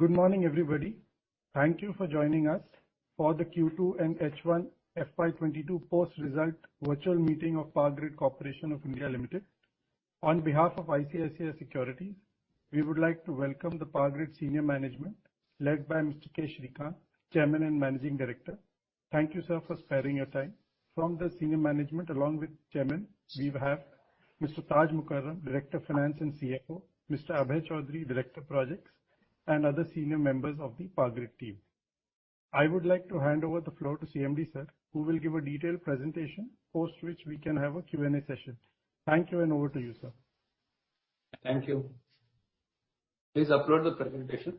Good morning, everybody. Thank you for joining us for the Q2 and H1 FY 2022 post result virtual meeting of Power Grid Corporation of India Limited. On behalf of ICICI Securities, we would like to welcome the Power Grid senior management, led by Mr. K. Sreekant, Chairman and Managing Director. Thank you, sir, for sparing your time. From the senior management, along with Chairman, we have Mr. Taj Mukarrum, Director of Finance and CFO, Mr. Abhay Choudhary, Director of Projects, and other senior members of the Power Grid team. I would like to hand over the floor to CMD, sir, who will give a detailed presentation, post which we can have a Q&A session. Thank you, and over to you, sir. Thank you. Please upload the presentation.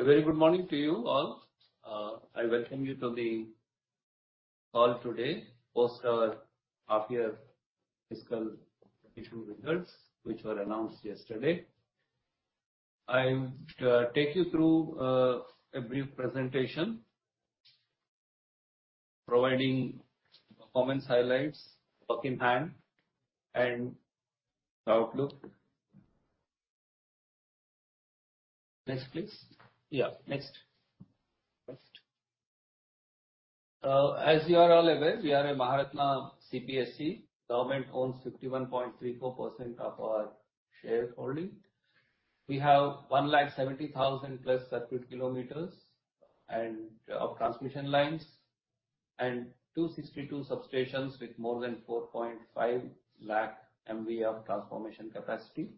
A very good morning to you all. I welcome you to the call today, post our half-year fiscal 2022 results, which were announced yesterday. I'll take you through a brief presentation providing performance highlights, work in hand and outlook. Next. As you are all aware, we are a Maharatna CPSE. Government owns 61.34% of our shareholding. We have 170,000+ circuit kilometers of transmission lines and 262 substations with more than 450,000 MVA of transformation capacity.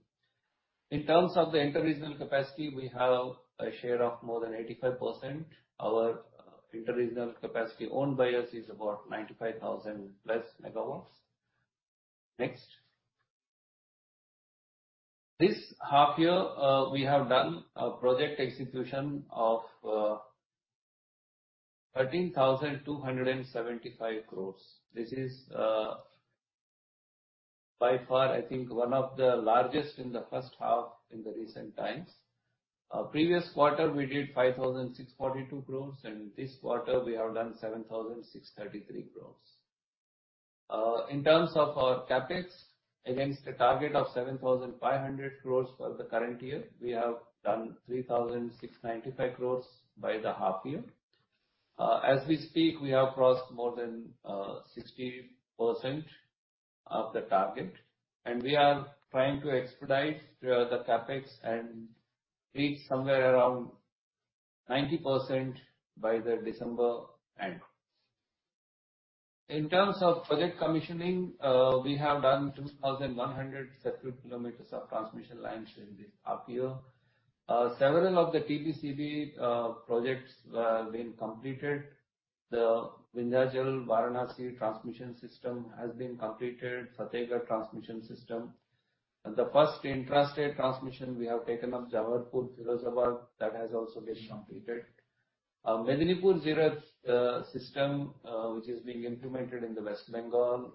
In terms of the inter-regional capacity, we have a share of more than 85%. Our inter-regional capacity owned by us is about 95,000+ megawatts. Next. This half year, we have done a project execution of 13,275 crore. This is, by far, I think, one of the largest in the H1 in the recent times. Previous quarter, we did 5,642 crores, and this quarter we have done 7,633 crores. In terms of our CapEx, against a target of 7,500 crores for the current year, we have done 3,695 crores by the half year. As we speak, we have crossed more than 60% of the target, and we are trying to expedite the CapEx and reach somewhere around 90% by the December end. In terms of project commissioning, we have done 2,100 circuit kilometers of transmission lines in this half year. Several of the TBCB projects have been completed. The Vindhyachal-Varanasi transmission system has been completed, Fatehgarh transmission system. The first intrastate transmission we have taken up, Jabalpur-Firozabad, that has also been completed. Medinipur-Jeerat system, which is being implemented in West Bengal,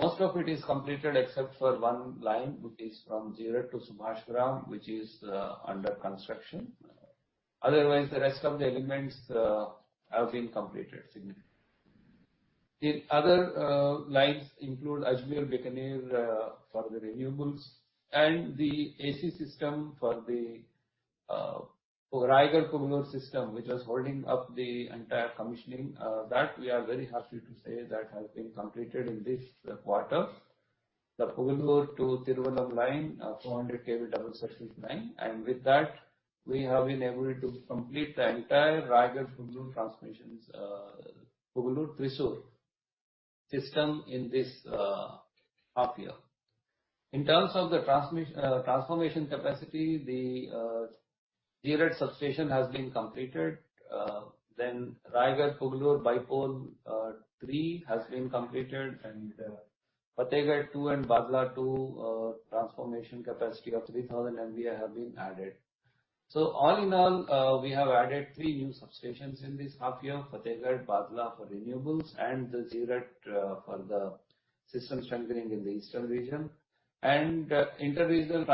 most of it is completed except for one line, which is from Jeerat to Subhashgram, which is under construction. Otherwise, the rest of the elements have been completed significantly. The other lines include Ajmer-Bikaner for the renewables and the AC system for the Raigarh-Pugalur system, which was holding up the entire commissioning. That we are very happy to say that has been completed in this quarter. The Pugalur to Thiruvananthapuram line, 400 KV double circuit line. With that, we have been able to complete the entire Raigarh-Pugalur transmissions, Pugalur-Thrissur system in this half year. In terms of the transformation capacity, the Jeerat substation has been completed. Raigarh-Pugalur Bipole 3 has been completed and Fatehgarh 2 and Bhadla 2 transformation capacity of 3,000 MVA have been added. All in all, we have added 3 new substations in this half year, Fatehgarh, Bhadla for renewables and the Jeerat for the system strengthening in the eastern region. Inter-regional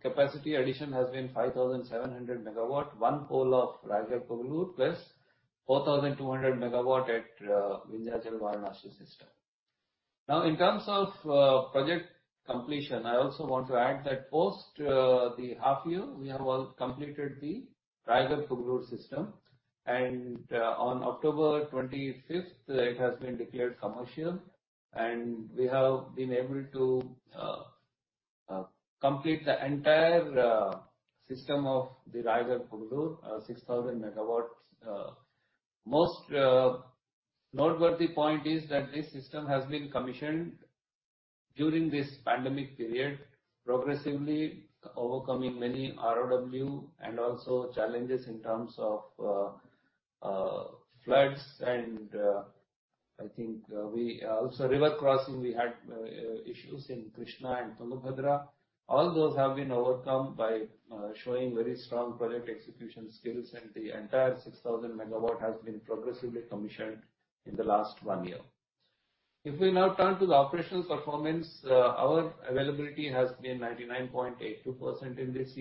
capacity addition has been 5,700 MW, one pole of Raigarh-Pugalur plus 4,200 MW at Vindhyachal-Varanasi system. Now in terms of project completion, I also want to add that post the half year, we have also completed the Raigarh-Pugalur system. On October 25, it has been declared commercial, and we have been able to complete the entire system of the Raigarh-Pugalur 6,000 MW. Most noteworthy point is that this system has been commissioned during this pandemic period, progressively overcoming many ROW and also challenges in terms of floods and, I think, also river crossing, we had issues in Krishna and Tungabhadra. All those have been overcome by showing very strong project execution skills, and the entire 6,000 MW has been progressively commissioned in the last one year. If we now turn to the operations performance, our availability has been 99.82% in this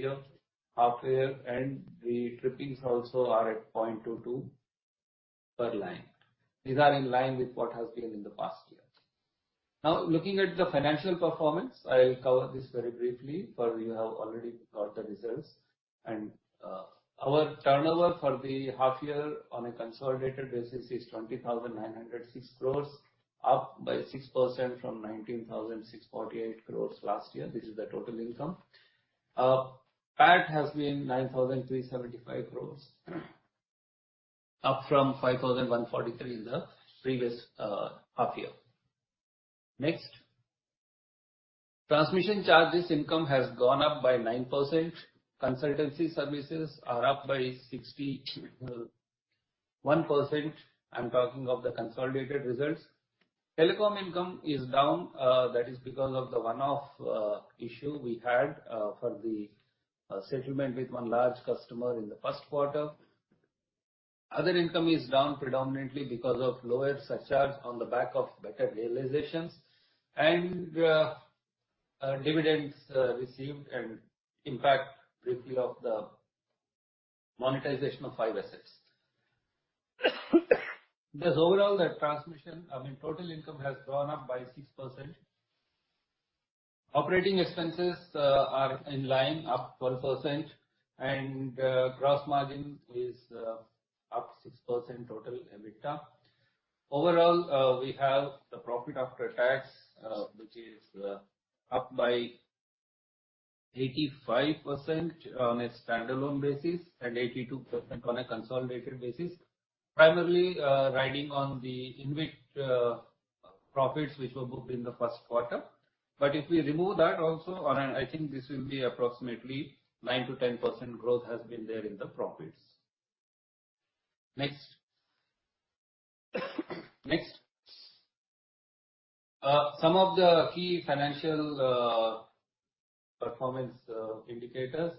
half year, and the trippings also are at 0.22 per line. These are in line with what has been in the past year. Now, looking at the financial performance, I will cover this very briefly, for you have already got the results. Our turnover for the half year on a consolidated basis is 20,906 crore, up by 6% from 19,648 crore last year. This is the total income. PAT has been 9,375 crore, up from 5,143 in the previous half year. Next. Transmission charges income has gone up by 9%. Consultancy services are up by 61%. I'm talking of the consolidated results. Telecom income is down, that is because of the one-off issue we had for the settlement with one large customer in the Q1. Other income is down predominantly because of lower surcharge on the back of better realizations and dividends received, and impact briefly of the monetization of five assets. Thus, overall, the transmission... I mean, total income has gone up by 6%. Operating expenses are in line, up 12%, and gross margin is up 6% total EBITDA. Overall, we have the profit after tax, which is up by 85% on a standalone basis and 82% on a consolidated basis, primarily riding on the InvIT profits which were booked in the Q1. If we remove that also, I think this will be approximately 9%-10% growth has been there in the profits. Next. Some of the key financial performance indicators.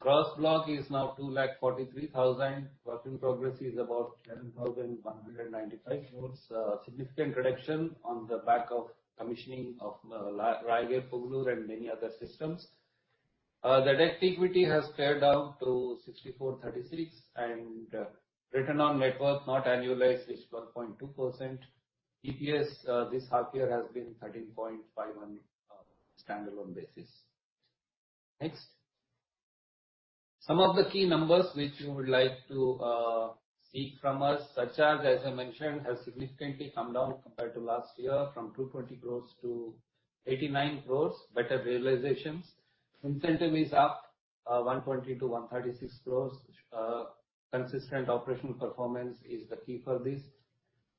Gross block is now 2 lakh 43 thousand. Work in progress is about 10,195 crore. Significant reduction on the back of commissioning of Raigarh-Pugalur and many other systems. The net equity has cleared down to 6,436, and return on network, not annualized, is 12.2%. EPS this half year has been 13.51, standalone basis. Next. Some of the key numbers which you would like to see from us. Surcharge, as I mentioned, has significantly come down compared to last year, from 220 crores to 89 crores. Better realizations. Incentive is up, 120 to 136 crores. Consistent operational performance is the key for this.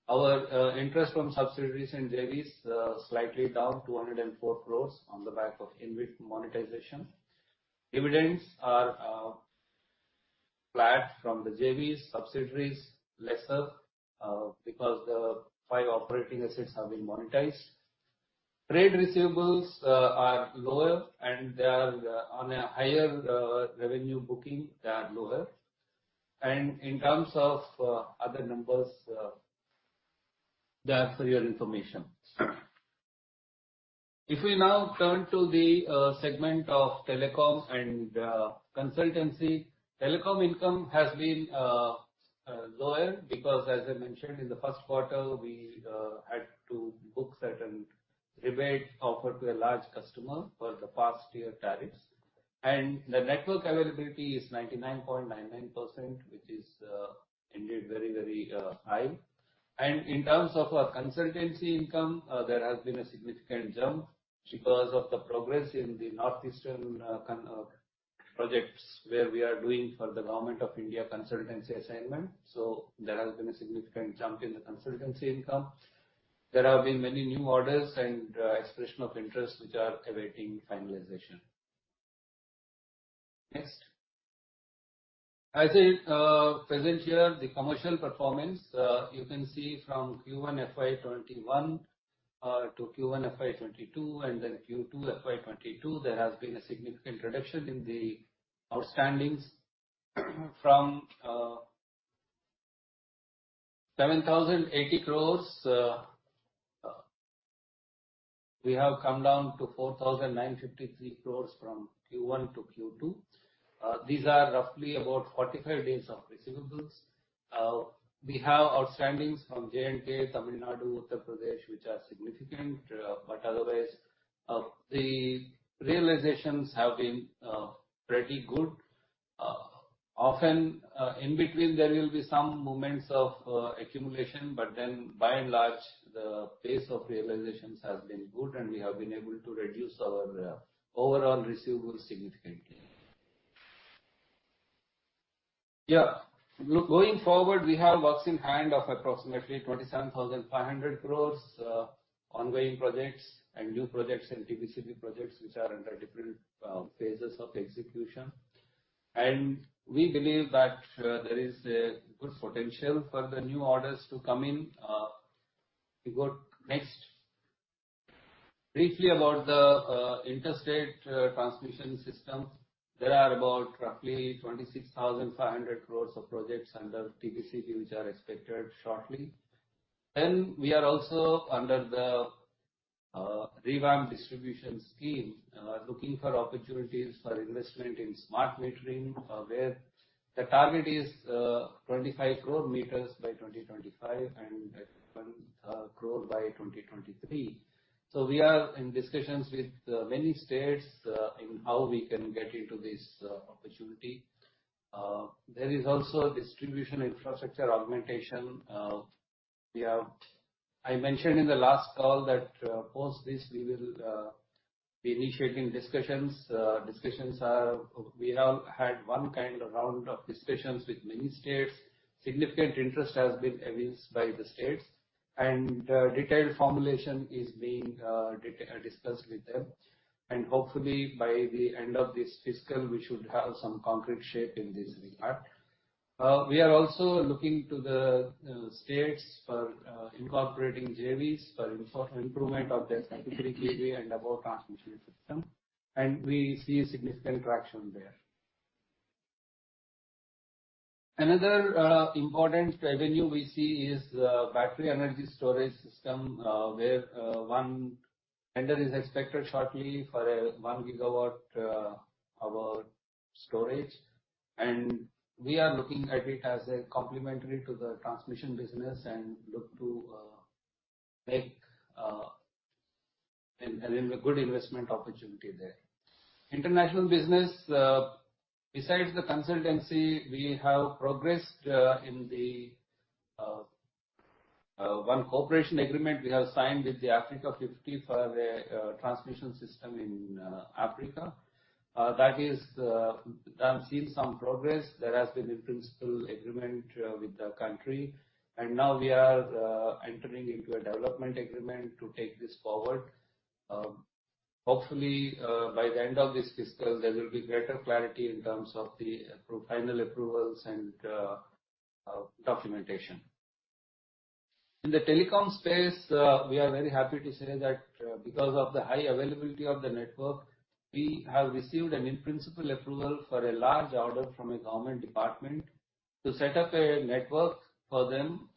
Our interest from subsidiaries and JVs slightly down to 204 crores on the back of InvIT monetization. Dividends are flat from the JVs. Subsidiaries, lesser, because the five operating assets have been monetized. Trade receivables are lower, and they are on a higher revenue booking, they are lower. In terms of other numbers, they are for your information. If we now turn to the segment of telecom and consultancy. Telecom income has been lower because, as I mentioned in the Q1, we had to book certain rebate offered to a large customer for the past year tariffs. The network availability is 99.99%, which is indeed very high. In terms of our consultancy income, there has been a significant jump because of the progress in the northeastern projects where we are doing for the Government of India consultancy assignment. There has been a significant jump in the consultancy income. There have been many new orders and expression of interest which are awaiting finalization. Next. As I present here the commercial performance, you can see from Q1 FY 2021 to Q1 FY 2022 and then Q2 FY 2022, there has been a significant reduction in the outstandings. From 7,080 crores, we have come down to 4,953 crores from Q1 to Q2. These are roughly about 45 days of receivables. We have outstandings from J&K, Tamil Nadu, Uttar Pradesh, which are significant. Otherwise, the realizations have been pretty good. Often, in between, there will be some moments of accumulation, but then by and large, the pace of realizations has been good and we have been able to reduce our overall receivable significantly. Yeah. Going forward, we have works in hand of approximately 27,500 crore, ongoing projects and new projects and TBCB projects which are under different phases of execution. We believe that there is a good potential for the new orders to come in. Briefly about the interstate transmission system. There are about roughly 26,500 crore of projects under TBCB, which are expected shortly. We are also under the Revamped Distribution Scheme looking for opportunities for investment in smart metering, where the target is 25 crore meters by 2025 and 1 crore by 2023. We are in discussions with many states in how we can get into this opportunity. There is also distribution infrastructure augmentation. We have... I mentioned in the last call that post this we will be initiating discussions. We have had one kind of round of discussions with many states. Significant interest has been evinced by the states, and detailed formulation is being discussed with them. Hopefully, by the end of this fiscal, we should have some concrete shape in this regard. We are also looking to the states for incorporating JVs for improvement of their intra-state and above transmission system. We see significant traction there. Another important revenue we see is battery energy storage system, where one tender is expected shortly for 1 GW BESS. We are looking at it as a complementary to the transmission business and look to make a good investment opportunity there. International business, besides the consultancy, we have progressed in the one cooperation agreement we have signed with the Africa50 for a transmission system in Africa. That has seen some progress. There has been in-principle agreement with the country, and now we are entering into a development agreement to take this forward. Hopefully, by the end of this fiscal there will be greater clarity in terms of the final approvals and documentation. In the telecom space, we are very happy to say that, because of the high availability of the network, we have received an in-principle approval for a large order from a government department to set up a network for them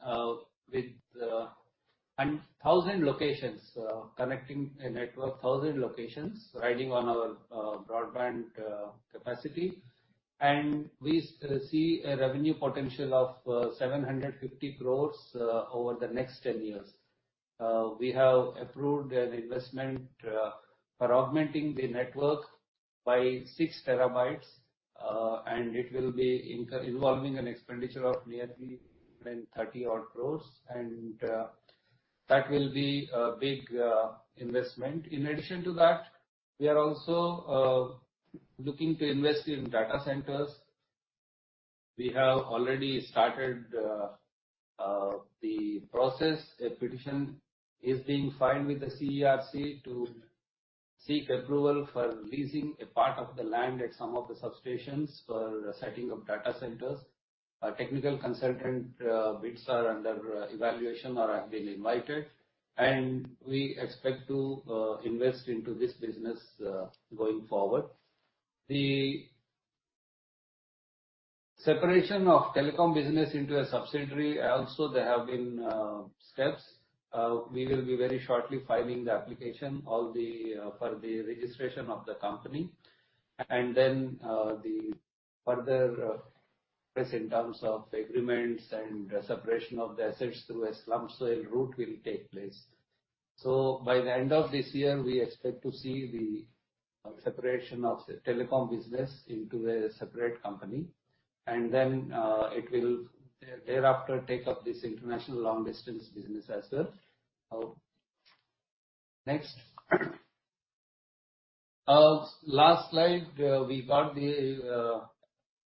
with 1,000 locations, connecting 1,000 locations riding on our broadband capacity. We see a revenue potential of 750 crores over the next 10 years. We have approved an investment for augmenting the network by 6 terabytes, and it will be involving an expenditure of nearly 130-odd crores, and that will be a big investment. In addition to that, we are also looking to invest in data centers. We have already started the process. A petition is being filed with the CERC to seek approval for leasing a part of the land at some of the substations for setting up data centers. Our technical consultant bids are under evaluation or have been invited, and we expect to invest into this business going forward. The separation of telecom business into a subsidiary. Also there have been steps. We will be very shortly filing the application for the registration of the company. Then the further progress in terms of agreements and separation of the assets through a slump sale route will take place. By the end of this year, we expect to see the separation of the telecom business into a separate company. Then it will thereafter take up this international long-distance business as well. Next. Last slide. We got the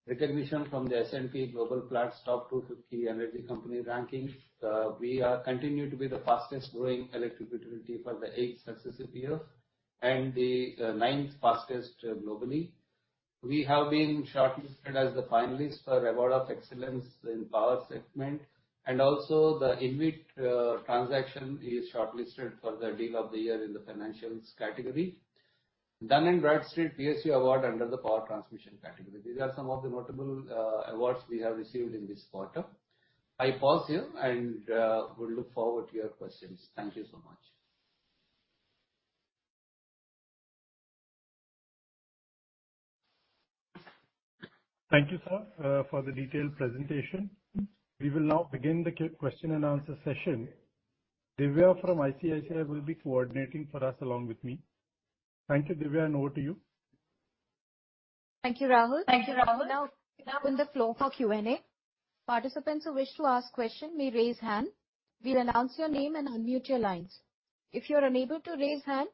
recognition from the S&P Global Platts top 250 energy company rankings. We continue to be the fastest growing electric utility for the eighth successive year and the ninth fastest globally. We have been shortlisted as the finalist for Award of Excellence in Power segment. Also the InvIT transaction is shortlisted for the Deal of the Year in the Financials category. Dun & Bradstreet PSU Award under the Power Transmission category. These are some of the notable awards we have received in this quarter. I pause here and will look forward to your questions. Thank you so much. Thank you, sir, for the detailed presentation. We will now begin the question and answer session. Divya from ICICI will be coordinating for us along with me. Thank you, Divya, and over to you. Thank you, Rahul. Now open the floor for Q&A. Participants who wish to ask question may raise hand. We'll announce your name and unmute your lines. If you are unable to raise hand,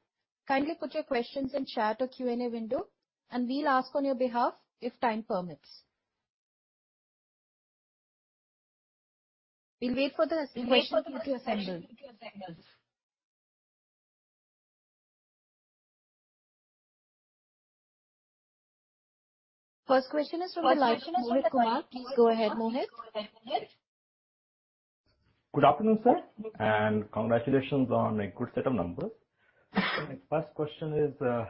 kindly put your questions in chat or Q&A window, and we'll ask on your behalf if time permits. We'll wait for the questions to assemble. First question is from the line of Mohit Kumar. Please go ahead, Mohit. Good afternoon, sir, and congratulations on a good set of numbers. My first question is, the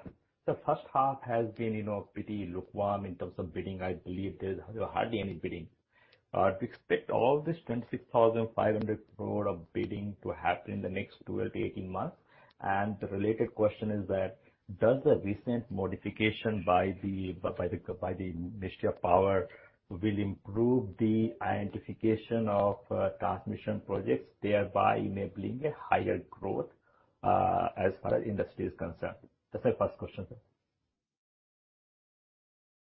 first half has been, you know, pretty lukewarm in terms of bidding. I believe there's hardly any bidding. Do you expect all this 26,500 crore of bidding to happen in the next 12-18 months? The related question is that, does the recent modification by the Ministry of Power will improve the identification of transmission projects, thereby enabling a higher growth as far as industry is concerned? That's my first question, sir.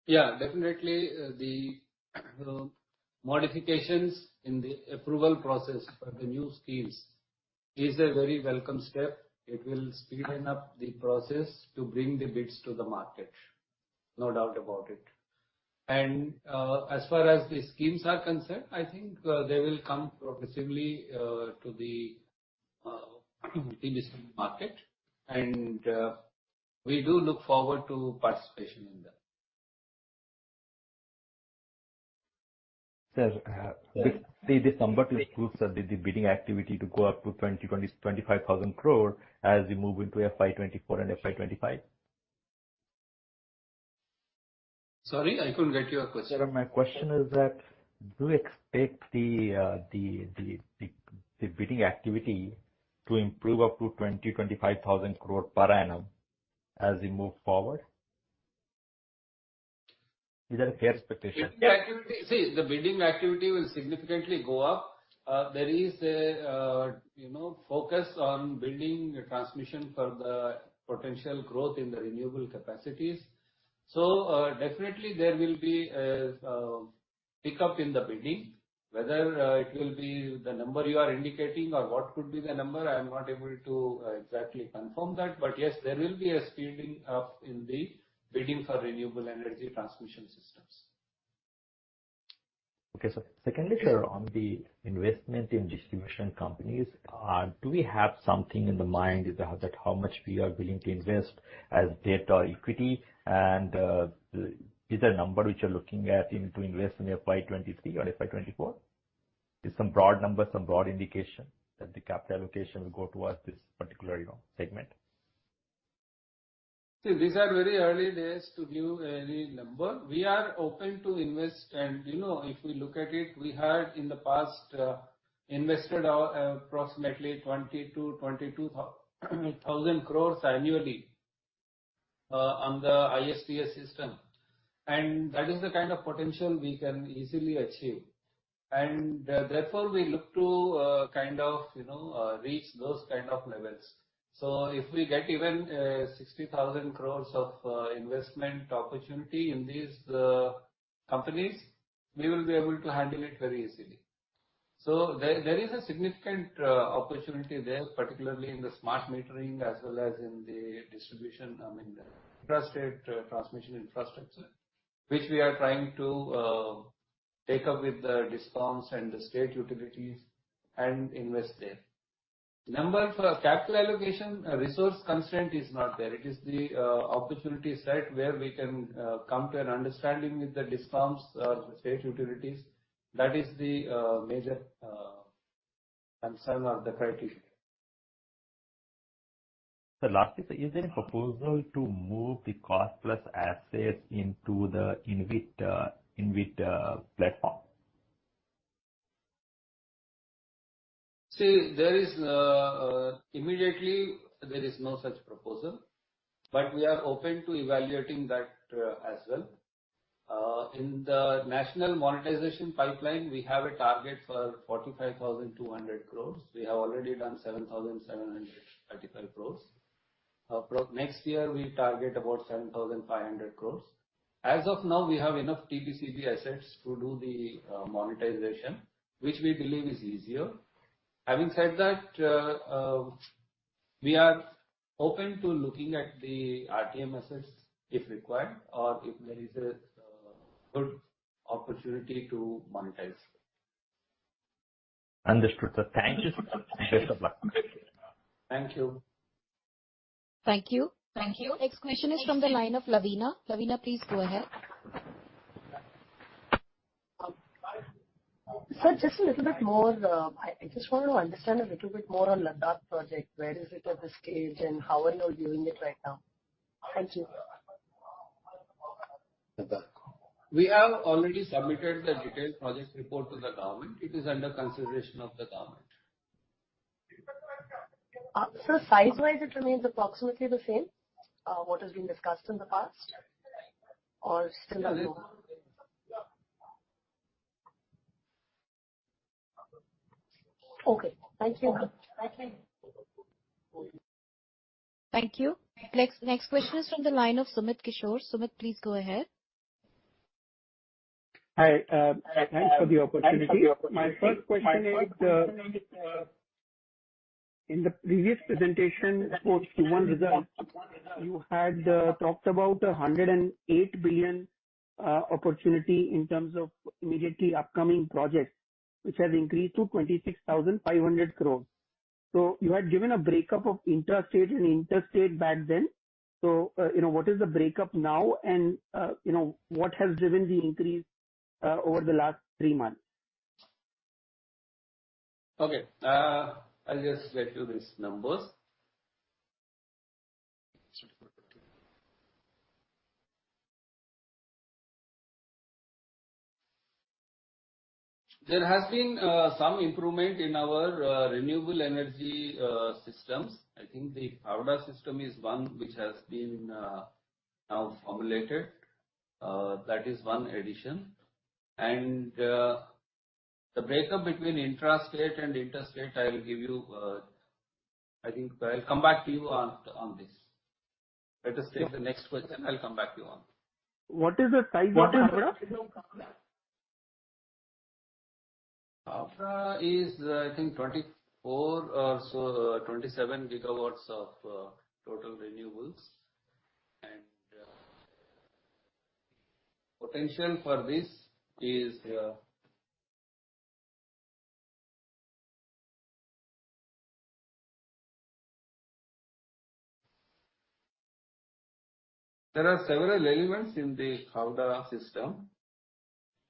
Yeah, definitely, the modifications in the approval process for the new schemes is a very welcome step. It will speed up the process to bring the bids to the market. No doubt about it. As far as the schemes are concerned, I think, they will come progressively to the industry market, and we do look forward to participation in them. Sir, the number which proves that the bidding activity to go up to 25,000 crore as we move into FY 2024 and FY 2025. Sorry, I couldn't get your question. Sir, my question is that, do you expect the bidding activity to improve up to 20-25 thousand crore per annum as we move forward? Is that a fair expectation? Bidding activity. See, the bidding activity will significantly go up. There is a, you know, focus on building transmission for the potential growth in the renewable capacities. Definitely there will be a pick-up in the bidding. Whether it will be the number you are indicating or what could be the number, I'm not able to exactly confirm that. Yes, there will be a speeding up in the bidding for renewable energy transmission systems. Okay, sir. Secondly, sir, on the investment in distribution companies, do we have something in the mind as how that, how much we are willing to invest as debt or equity? Is there a number which you're looking at to invest in FY 2023 or FY 2024? Just some broad numbers, some broad indication that the capital allocation will go towards this particular, you know, segment. See, these are very early days to give any number. We are open to invest. You know, if we look at it, we had in the past invested approximately 20,000-22,000 crore annually on the ISTS system, and that is the kind of potential we can easily achieve. Therefore, we look to kind of you know reach those kind of levels. If we get even 60,000 crore of investment opportunity in these companies, we will be able to handle it very easily. There is a significant opportunity there, particularly in the smart metering as well as in the distribution, I mean, the trusted transmission infrastructure, which we are trying to take up with the DISCOMs and the state utilities and invest there. Number for capital allocation, resource constraint is not there. It is the opportunity site where we can come to an understanding with the DISCOMs or state utilities. That is the major concern or the criteria. The last is there any proposal to move the cost plus assets into the InvIT platform? See, there is immediately no such proposal, but we are open to evaluating that as well. In the National Monetisation Pipeline, we have a target for 45,200 crores. We have already done 7,773 crores. Next year we target about 7,500 crores. As of now, we have enough TBCB assets to do the monetization, which we believe is easier. Having said that, we are open to looking at the RTM assets if required or if there is a good opportunity to monetize. Understood, sir. Thank you, sir. Best of luck. Thank you. Thank you. Thank you. Next question is from the line of Lavina. Lavina, please go ahead. Sir, just a little bit more. I just want to understand a little bit more on Ladakh project. Where is it at this stage, and how are you viewing it right now? Thank you. Ladakh. We have already submitted the detailed projects report to the government. It is under consideration of the government. Sir, size-wise it remains approximately the same, what has been discussed in the past or still more? Okay. Thank you. Thank you. Next question is from the line of Sumit Kishore. Sumit, please go ahead. Hi. Thanks for the opportunity. My first question is, in the previous presentation for Q1 results, you had talked about 108 billion opportunity in terms of immediately upcoming projects which has increased to 26,500 crore. You had given a breakup of intrastate and interstate back then. You know, what is the breakup now and, you know, what has driven the increase over the last three months? Okay. I'll just read you these numbers. There has been some improvement in our renewable energy systems. I think the Khavda system is one which has been now formulated. That is one addition. The breakup between intrastate and interstate, I will give you. I think I'll come back to you on this. Let us take the next question. I'll come back to you on this. What is the size of Khavda? Khavda is, I think 24 or so, 27 GW of total renewables. Potential for this is. There are several elements in the Khavda system.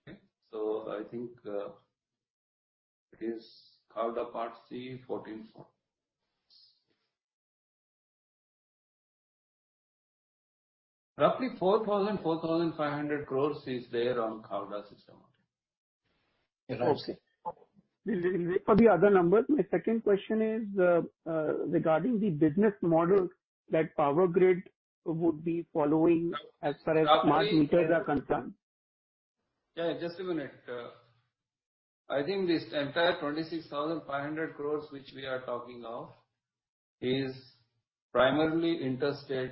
Okay? I think it is Khavda Phase IV Part C. Roughly 4,500 crore is there on Khavda system only. I see. We'll wait for the other numbers. My second question is, regarding the business model that Power Grid would be following as far as smart meters are concerned. I think this entire 26,500 crore which we are talking of is primarily interstate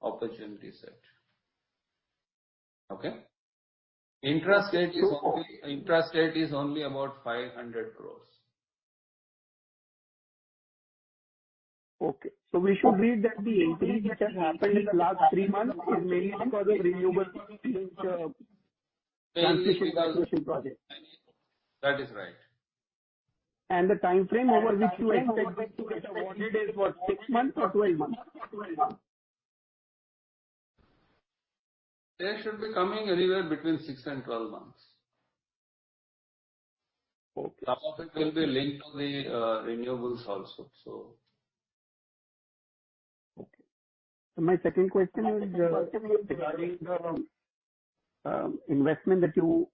opportunity set. Okay? Intrastate is only- Sure. Intrastate is only about INR 500 crore. Okay. We should read that the increase which has happened in last three months is mainly because of renewables transition project. That is right. The timeframe over which you expect this to get awarded is what, six months or 12 months? They should be coming anywhere between six and 12 months. Okay. Some of it will be linked to the renewables also, so. Okay. My second question is regarding the investment that you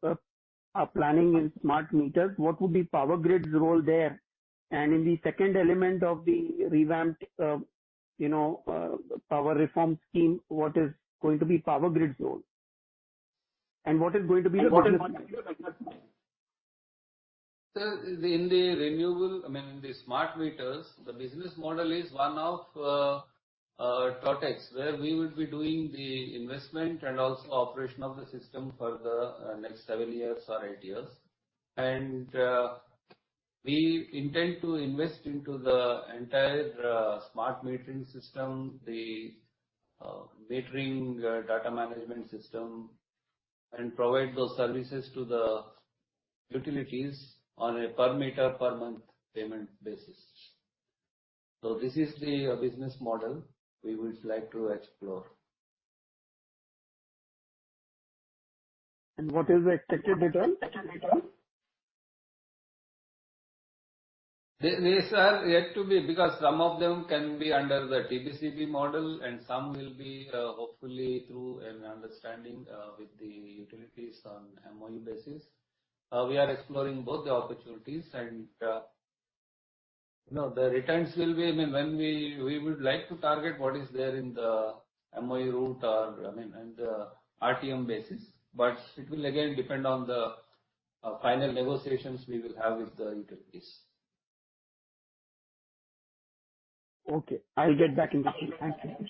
are planning in smart meters. What would be Power Grid's role there? In the second element of the revamped power reform scheme, what is going to be Power Grid's role? What is going to be the business model? Sir, I mean, in the smart meters, the business model is one of TOTEX where we would be doing the investment and also operation of the system for the next seven years or eight years. We intend to invest into the entire smart metering system, the metering data management system, and provide those services to the utilities on a per meter per month payment basis. This is the business model we would like to explore. What is the expected return? These are yet to be, because some of them can be under the TBCB model and some will be, hopefully through an understanding with the utilities on MOU basis. We are exploring both the opportunities and, you know, the returns will be, I mean, when we would like to target what is there in the MOU route or, I mean, and RTM basis, but it will again depend on the final negotiations we will have with the utilities. Okay. I'll get back in touch with you. Thank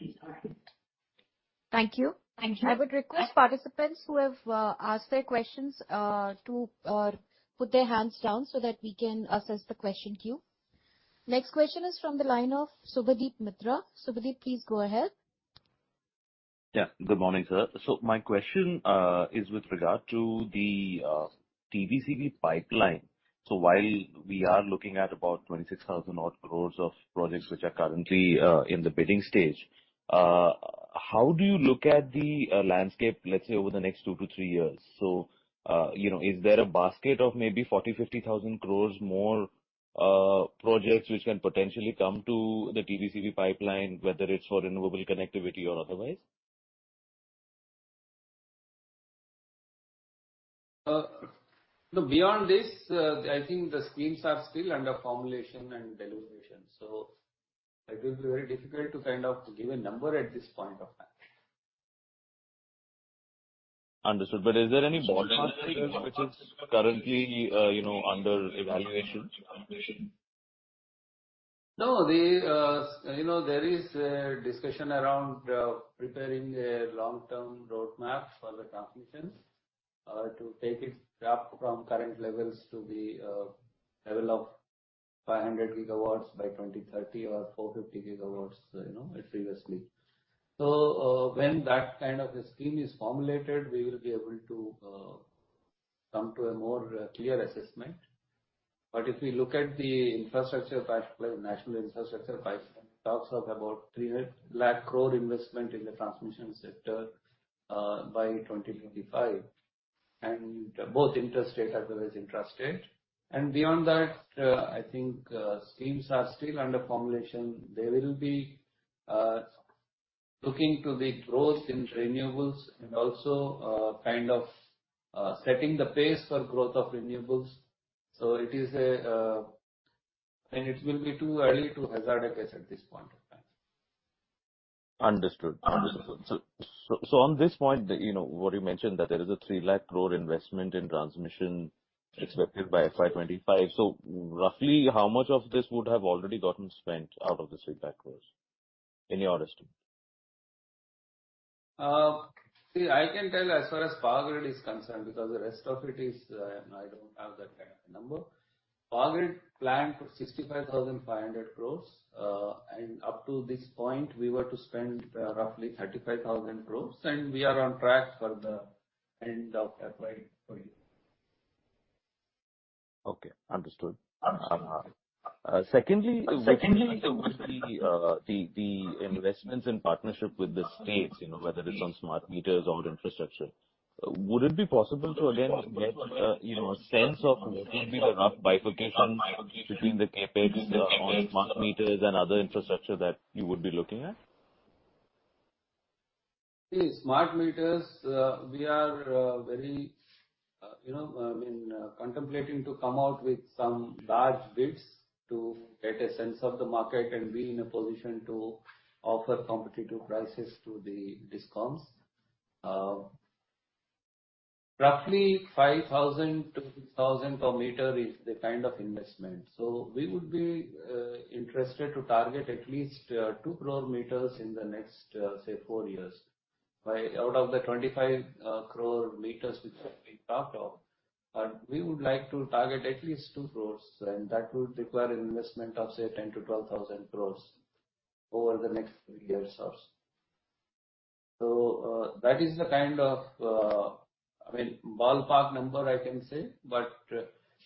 you. Thank you. I would request participants who have asked their questions to put their hands down so that we can assess the question queue. Next question is from the line of Subhadip Mitra. Subhadip, please go ahead. Yeah. Good morning, sir. My question is with regard to the TBCB pipeline. While we are looking at about 26,000 crores of projects which are currently in the bidding stage, how do you look at the landscape, let's say over the next two to three years? You know, is there a basket of maybe 40-50 thousand crores more projects which can potentially come to the TBCB pipeline, whether it's for renewable connectivity or otherwise? Beyond this, I think the schemes are still under formulation and deliberation, so it will be very difficult to kind of give a number at this point of time. Understood. Is there any ballpark figure which is currently, you know, under evaluation? No. You know, there is a discussion around preparing a long-term roadmap for the transmission to take it up from current levels to the level of 500 GW by 2030 or 450 GW, you know, previously. When that kind of a scheme is formulated, we will be able to come to a more clear assessment. If we look at the infrastructure pipeline, National Infrastructure Pipeline, it talks of about 3 lakh crore investment in the transmission sector by 2025, and both interstate as well as intrastate. Beyond that, I think schemes are still under formulation. They will be looking to the growth in renewables and also kind of setting the pace for growth of renewables. It is a. I mean, it will be too early to hazard a guess at this point in time. Understood. On this point, you know, what you mentioned that there is 3 lakh crore investment in transmission expected by FY 2025. Roughly how much of this would have already gotten spent out of this INR 3 lakh crore, in your estimate? See, I can tell as far as Power Grid is concerned, because the rest of it is, I don't have that kind of number. Power Grid planned for 65,500 crore. Up to this point, we were to spend, roughly 35,000 crore, and we are on track for the end of FY 2024. Okay, understood. Understood. Secondly, with the investments in partnership with the states, you know, whether it's on smart meters or infrastructure, would it be possible to again get, you know, a sense of what could be the rough bifurcation between the CapEx and on smart meters and other infrastructure that you would be looking at? The smart meters, we are, very, you know, I mean, contemplating to come out with some large bids to get a sense of the market and be in a position to offer competitive prices to the DISCOMs. Roughly 5,000-10,000 per meter is the kind of investment. We would be interested to target at least 2 crore meters in the next, say, four years. Out of the 25 crore meters which are being talked of, we would like to target at least two crores, and that would require investment of, say, 10,000-12,000 crore over the next three years or so. That is the kind of, I mean, ballpark number I can say, but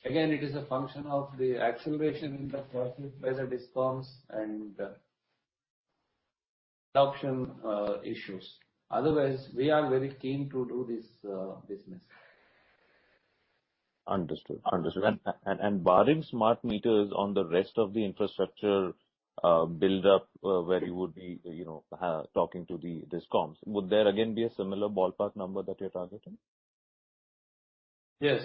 again, it is a function of the acceleration in the process by the DISCOMs and adoption issues. Otherwise, we are very keen to do this business. Understood. Barring smart meters on the rest of the infrastructure build up, where you would be, you know, talking to the DISCOMs, would there again be a similar ballpark number that you're targeting? Yes.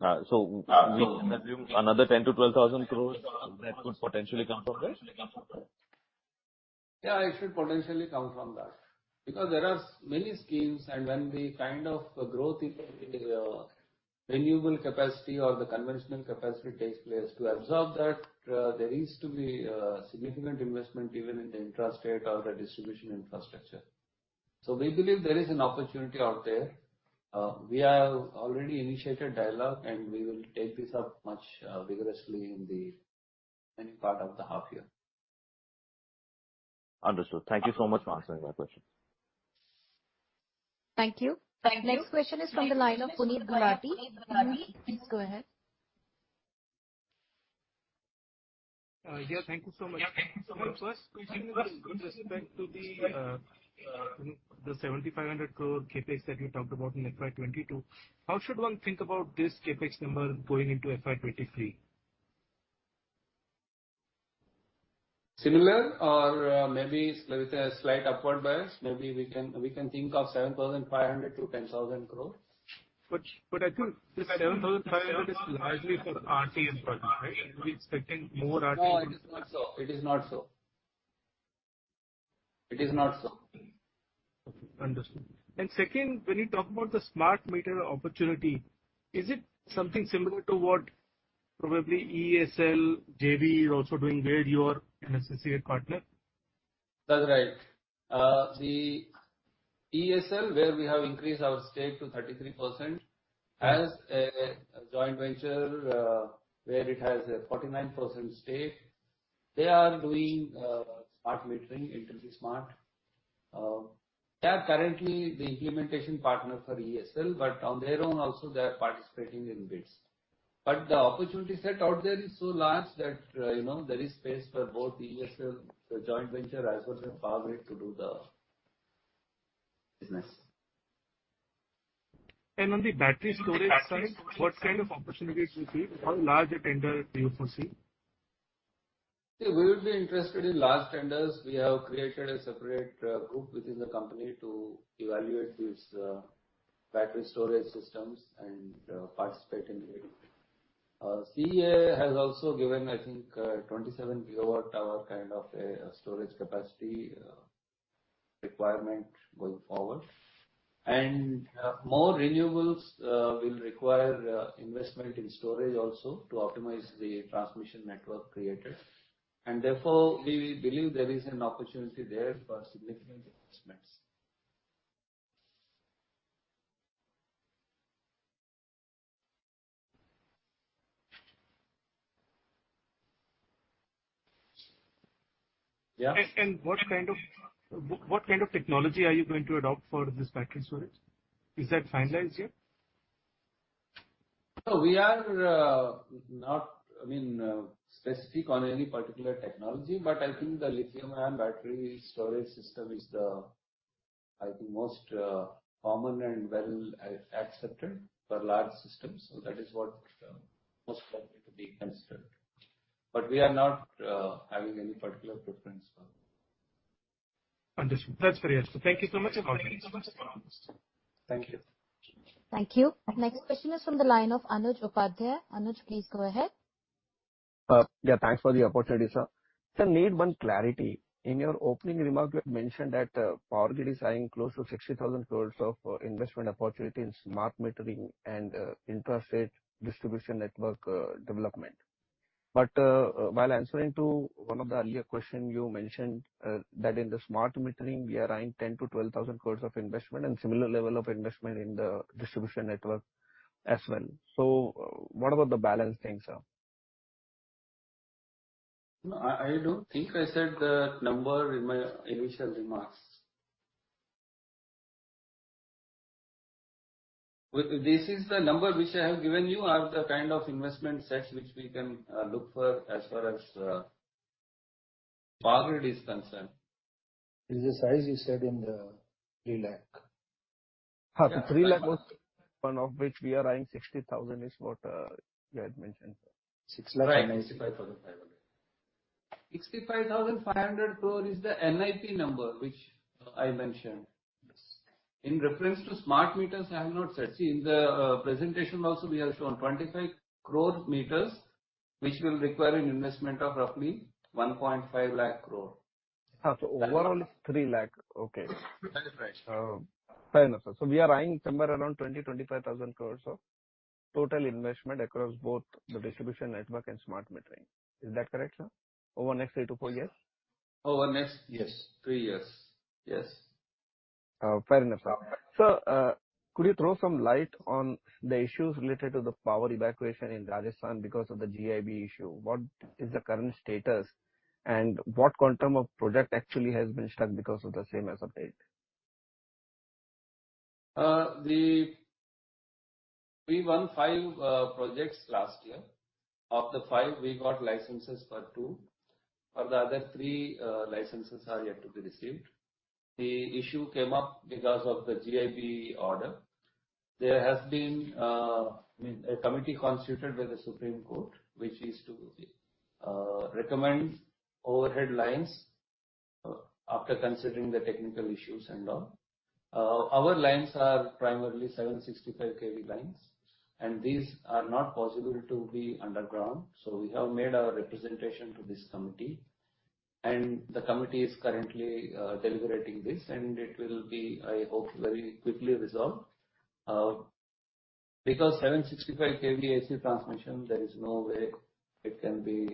Uh, so we. You can assume that. Another 10,000 crore-12,000 crore that could potentially come from that? Yeah, it should potentially come from that. Because there are many schemes, and when the kind of growth in renewable capacity or the conventional capacity takes place, to absorb that, there needs to be significant investment even in the intrastate or the distribution infrastructure. We believe there is an opportunity out there. We have already initiated dialogue, and we will take this up much vigorously in the second part of the half year. Understood. Thank you so much for answering my questions. Thank you. Next question is from the line of Puneet Bharati. Puneet, please go ahead. Yeah, thank you so much. My first question is with respect to the 7,500 crore CapEx that you talked about in FY 2022. How should one think about this CapEx number going into FY 2023? Similar or maybe with a slight upward bias. Maybe we can think of 7,500-10,000 crores. I think this 11,500 is largely for RT and project, right? Are we expecting more? No, it is not so. Okay, understood. Second, when you talk about the smart meter opportunity, is it something similar to what probably EESL JV is also doing where you're an associated partner? That's right. The EESL, where we have increased our stake to 33%, has a joint venture, where it has a 49% stake. They are doing smart metering, IntelliSmart. They are currently the implementation partner for EESL, but on their own also they are participating in bids. The opportunity set out there is so large that, you know, there is space for both EESL, the joint venture, as well as Power Grid to do the business. On the battery storage side, what kind of opportunities you see? How large a tender do you foresee? See, we will be interested in large tenders. We have created a separate group within the company to evaluate these battery storage systems and participate in it. CEA has also given, I think, 27 GWh kind of a storage capacity requirement going forward. More renewables will require investment in storage also to optimize the transmission network created. Therefore, we believe there is an opportunity there for significant investments. What kind of technology are you going to adopt for this battery storage? Is that finalized yet? No, we are not. I mean, specific on any particular technology, but I think the lithium-ion battery storage system is the, I think, most common and well accepted for large systems. That is what most likely to be considered. We are not having any particular preference for. Understood. That's very helpful. Thank you so much for your comments. Thank you. Thank you. Next question is from the line of Anuj Upadhyay. Anuj, please go ahead. Yeah, thanks for the opportunity, sir. Sir, I need one clarity. In your opening remark, you had mentioned that Power Grid is eyeing close to 60,000 crore of investment opportunity in smart metering and intrastate distribution network development. While answering to one of the earlier question, you mentioned that in the smart metering we are eyeing 10,000 crore-12,000 crore of investment and similar level of investment in the distribution network as well. What about the balance thing, sir? No, I don't think I said the number in my initial remarks. This is the number which I have given you. These are the kind of investment size which we can look for as far as Power Grid is concerned. Is the size you said in the three lakh? Yeah. 3 lakh, one of which we are eyeing 60,000 is what you had mentioned. 6 lakh- Right. 65,500 crore is the NIP number, which I mentioned. Yes. In reference to smart meters, I have not said. See, in the presentation also we have shown 25 crore meters, which will require an investment of roughly 1.5 lakh crore. Overall it's 3 lakh. Okay. That's right. Oh, fair enough, sir. We are eyeing somewhere around 20,000-25,000 crore of total investment across both the distribution network and smart metering. Is that correct, sir? Over next three-four years. Over the next three years. Yes. Fair enough, sir. Sir, could you throw some light on the issues related to the power evacuation in Rajasthan because of the GIB issue? What is the current status and what quantum of project actually has been stuck because of the same as of date? We won five projects last year. Of the five, we got licenses for two. For the other three, licenses are yet to be received. The issue came up because of the GIB order. There has been, I mean, a committee constituted by the Supreme Court, which is to recommend overhead lines after considering the technical issues and all. Our lines are primarily 765 KV lines, and these are not possible to be underground, so we have made our representation to this committee and the committee is currently deliberating this, and it will be, I hope, very quickly resolved. Because 765 KV AC transmission, there is no way it can be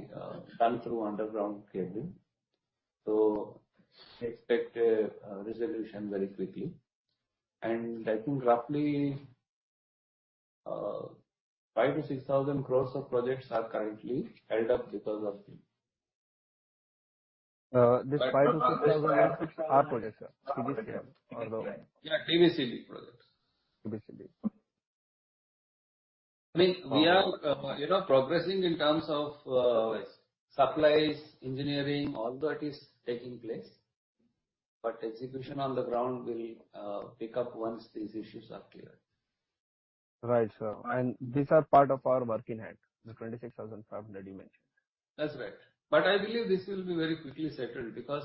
done through underground cabling. Expect a resolution very quickly. I think roughly, 5,000-6,000 crores of projects are currently held up because of this. This 5,000-6,000 are projects, sir. TBCB. Yeah, TBCB projects. TBCD. I mean, we are, you know, progressing in terms of, supplies, engineering, all that is taking place, but execution on the ground will pick up once these issues are cleared. Right, sir. These are part of our work in hand, the 26,500 you mentioned. That's right. I believe this will be very quickly settled because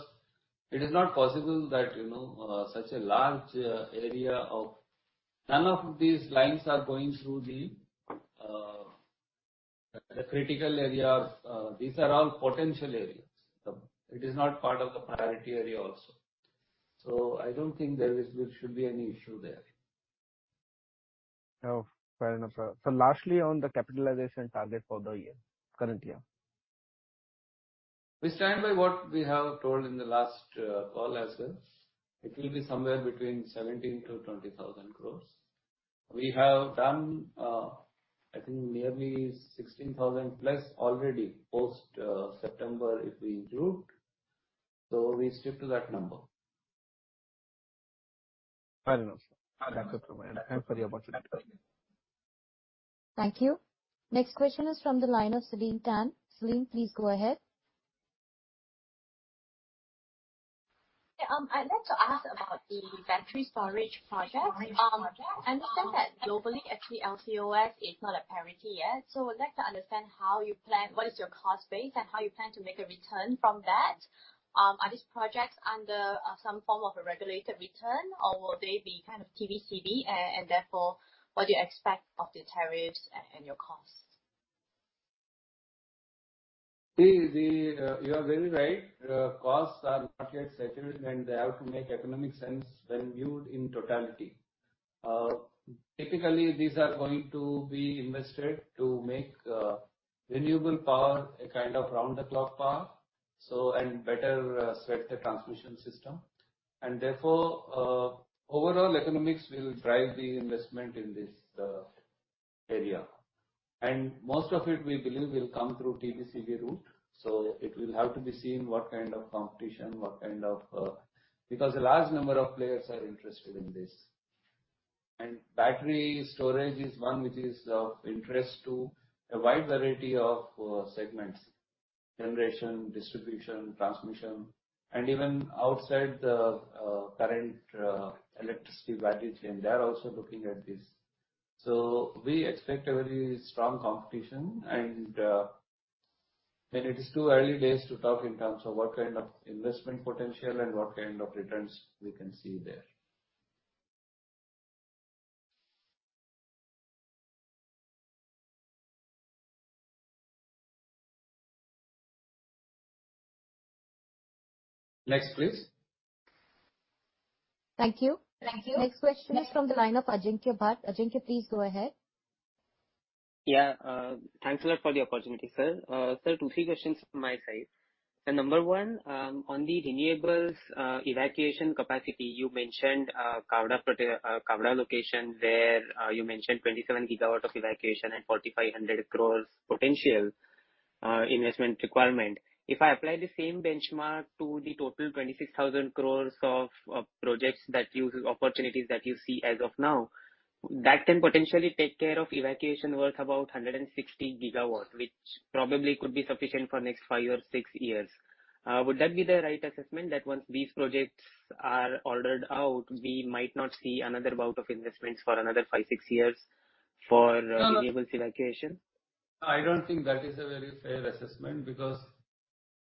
it is not possible that, you know, none of these lines are going through the critical areas. These are all potential areas. It is not part of the priority area also. I don't think there should be any issue there. No, fair enough, sir. Lastly, on the capitalization target for the year, current year. We stand by what we have told in the last call as well. It will be somewhere between 17,000 crore-20,000 crore. We have done, I think nearly 16,000+ already, post September, if we include. We stick to that number. Fair enough, sir. Alright. That's it from my end. Thank you for the opportunity. Thank you. Next question is from the line of Celine Tan. Celine, please go ahead. Yeah, I'd like to ask about the battery storage projects. I understand that globally, actually LCOS is not a priority yet. I would like to understand how you plan, what is your cost base and how you plan to make a return from that. Are these projects under some form of a regulated return or will they be kind of TBCB and therefore what do you expect of the tariffs and your costs? You are very right. Costs are not yet settled and they have to make economic sense when viewed in totality. Technically these are going to be invested to make renewable power a kind of round-the-clock power, so and better serve the transmission system and therefore overall economics will drive the investment in this area. Most of it, we believe, will come through TBCB route. It will have to be seen what kind of competition, what kind of. Because a large number of players are interested in this. Battery storage is one which is of interest to a wide variety of segments: generation, distribution, transmission, and even outside the current electricity value chain, they are also looking at this. We expect a very strong competition and it is too early days to talk in terms of what kind of investment potential and what kind of returns we can see there. Next, please. Thank you. Next question is from the line of Ajinkya Bhat. Ajinkya, please go ahead. Yeah. Thanks a lot for the opportunity, sir. Sir, two, three questions from my side. Number one, on the renewables, evacuation capacity, you mentioned, Khavda location where, you mentioned 27 GW of evacuation and 4,500 crores potential investment requirement. If I apply the same benchmark to the totl 26,000 crores of opportunities that you see as of now, that can potentially take care of evacuation worth about 160 GW, which probably could be sufficient for next five or six years. Would that be the right assessment, that once these projects are ordered out, we might not see another bout of investments for another five, six years for renewables evacuation? I don't think that is a very fair assessment because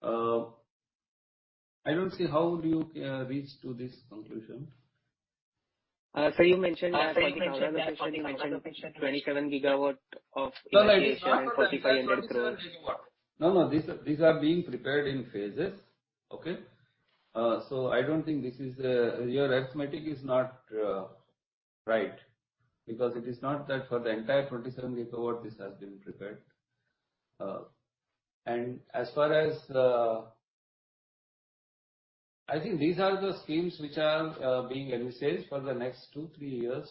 I don't see how do you reach to this conclusion. You mentioned. Sir, you mentioned INR 4,500 crore. You mentioned 27 GW of evacuation. No, no. It's not 47 GW. No, no. These are being prepared in phases. Okay? I don't think this is. Your arithmetic is not right, because it is not that for the entire 27 GW this has been prepared. As far as. I think these are the schemes which are being envisaged for the next two-three years,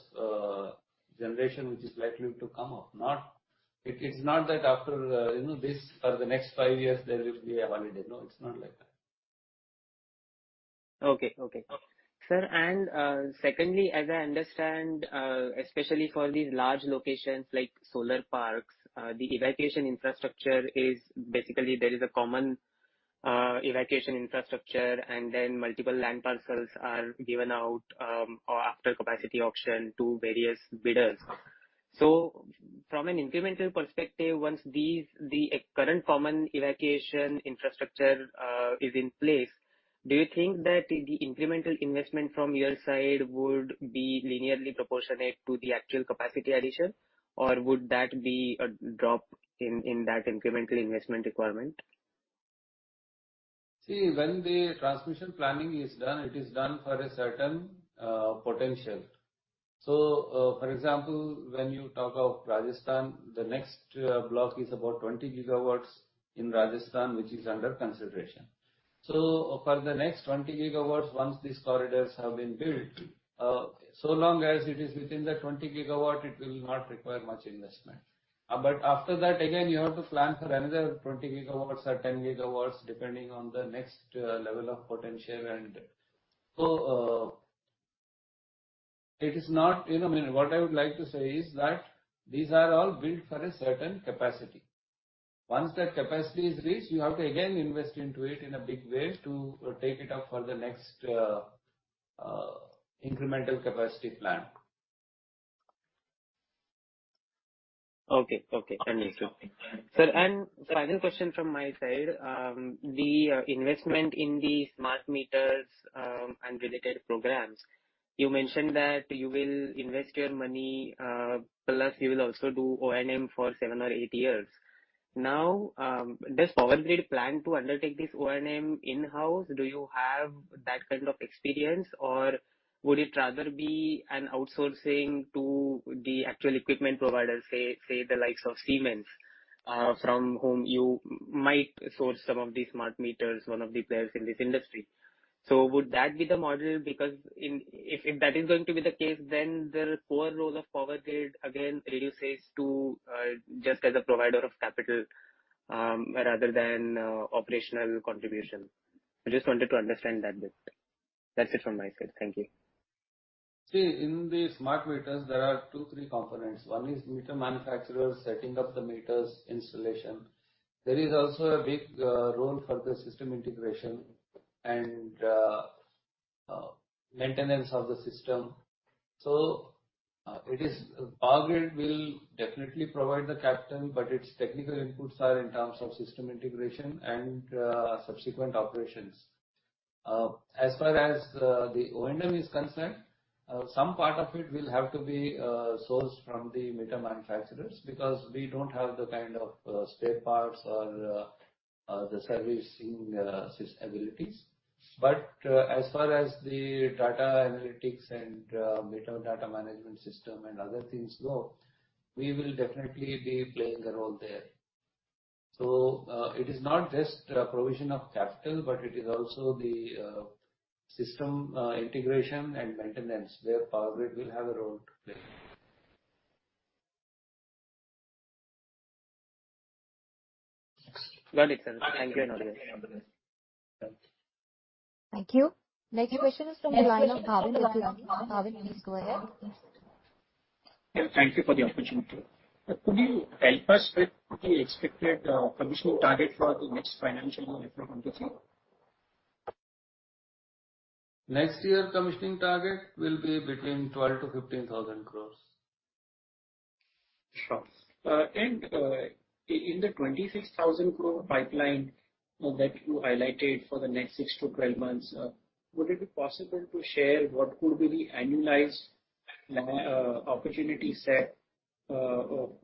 generation which is likely to come up. It is not that after, you know, this or the next five years there will be a holiday. No, it's not like that. Sir, secondly, as I understand, especially for these large locations like solar parks, the evacuation infrastructure is basically a common evacuation infrastructure and then multiple land parcels are given out, or after capacity auction to various bidders. From an incremental perspective, once the current common evacuation infrastructure is in place, do you think that the incremental investment from your side would be linearly proportionate to the actual capacity addition? Or would that be a drop in that incremental investment requirement? See, when the transmission planning is done, it is done for a certain potential. For example, when you talk of Rajasthan, the next block is about 20 GW in Rajasthan, which is under consideration. For the next 20 GW, once these corridors have been built, so long as it is within the 20 GW, it will not require much investment. After that, again, you have to plan for another 20 GW or 10 GW, depending on the next level of potential. You know, I mean, what I would like to say is that these are all built for a certain capacity. Once that capacity is reached, you have to again invest into it in a big way to take it up for the next incremental capacity plan. Okay. Understood. Sir, final question from my side. The investment in the smart meters and related programs, you mentioned that you will invest your money, plus you will also do O&M for seven or eight years. Now, does Power Grid plan to undertake this O&M in-house? Do you have that kind of experience, or would it rather be an outsourcing to the actual equipment providers, say the likes of Siemens, from whom you might source some of these smart meters, one of the players in this industry? Would that be the model? Because if that is going to be the case, then the core role of Power Grid again reduces to just as a provider of capital, rather than operational contribution. I just wanted to understand that bit. That's it from my side. Thank you. See, in the smart meters there are two, three components. One is meter manufacturers setting up the meters installation. There is also a big role for the system integration and maintenance of the system. Power Grid will definitely provide the capital, but its technical inputs are in terms of system integration and subsequent operations. As far as the O&M is concerned, some part of it will have to be sourced from the meter manufacturers because we don't have the kind of spare parts or the servicing capabilities. As far as the data analytics and meter data management system and other things go, we will definitely be playing a role there. It is not just a provision of capital, but it is also the system integration and maintenance where Power Grid will have a role to play. Got it, sir. Thank you and all the best. Thank you. Next question is from the line of Bhavin Patel. Bhavin, please go ahead. Yeah, thank you for the opportunity. Could you help us with the expected commissioning target for the next financial year from 2023? Next year commissioning target will be between 12,000 crores-15,000 crores. Sure. In the 26,000 crore pipeline that you highlighted for the next six to 12 months, would it be possible to share what could be the annualized opportunity set for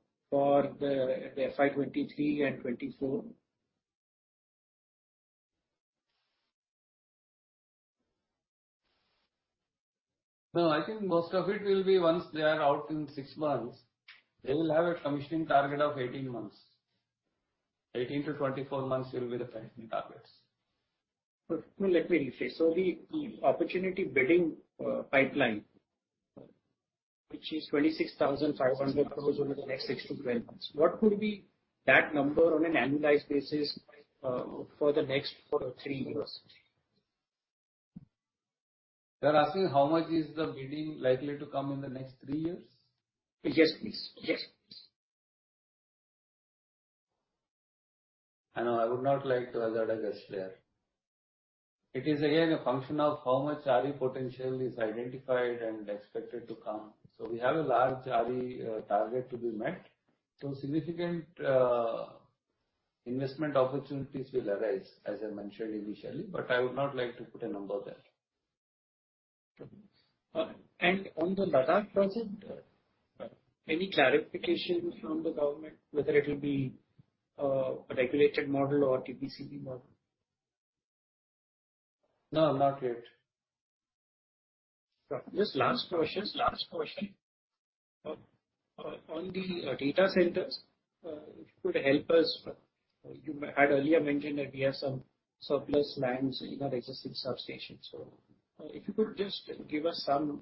the FY 2023 and 2024? No, I think most of it will be once they are out in six months, they will have a commissioning target of 18 months. 18-24 months will be the commissioning targets. No, let me rephrase. The opportunity bidding pipeline, which is 26,500 crore over the next 6-12 months, what could be that number on an annualized basis, for the next three years? You are asking how much is the bidding likely to come in the next three years? Yes, please. Yes. I know. I would not like to hazard a guess there. It is again a function of how much RE potential is identified and expected to come. We have a large RE target to be met. Significant investment opportunities will arise, as I mentioned initially, but I would not like to put a number there. On the Ladakh project, any clarification from the government whether it will be a regulated model or TBCB model? No, not yet. Just last question. On the data centers, if you could help us. You had earlier mentioned that we have some surplus lands in our existing substations. If you could just give us some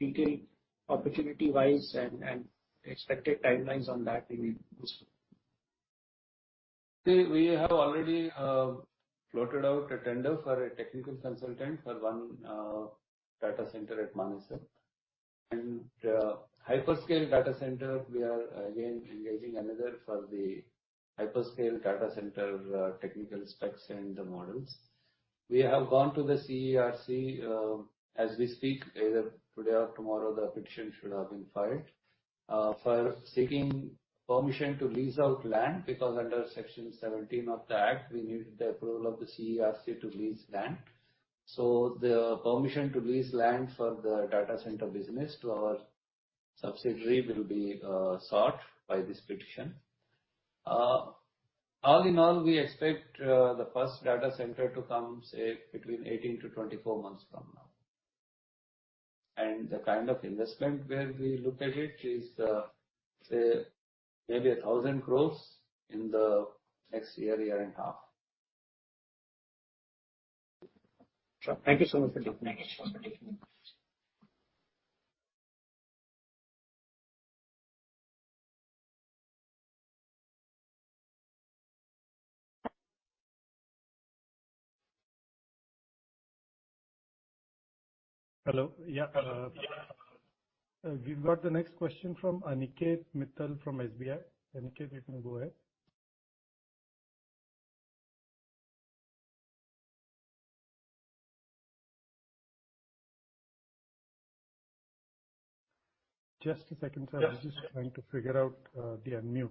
detail opportunity-wise and expected timelines on that, it will be useful. We have already floated out a tender for a technical consultant for one data center at Manesar. Hyperscale data center, we are again engaging another for the hyperscale data center, technical specs and the models. We have gone to the CERC, as we speak. Either today or tomorrow, the petition should have been filed, for seeking permission to lease out land, because under Section 17 of the Act, we need the approval of the CERC to lease land. The permission to lease land for the data center business to our subsidiary will be sought by this petition. All in all, we expect the first data center to come, say, between 18-24 months from now. The kind of investment where we look at it is, say, maybe 1,000 crore in the next year and a half. Sure. Thank you so much. Thank you. Hello. Yeah. We've got the next question from Aniket Mittal from SBI. Aniket, you can go ahead. Just a second, sir. Yes. I'm just trying to figure out the unmute.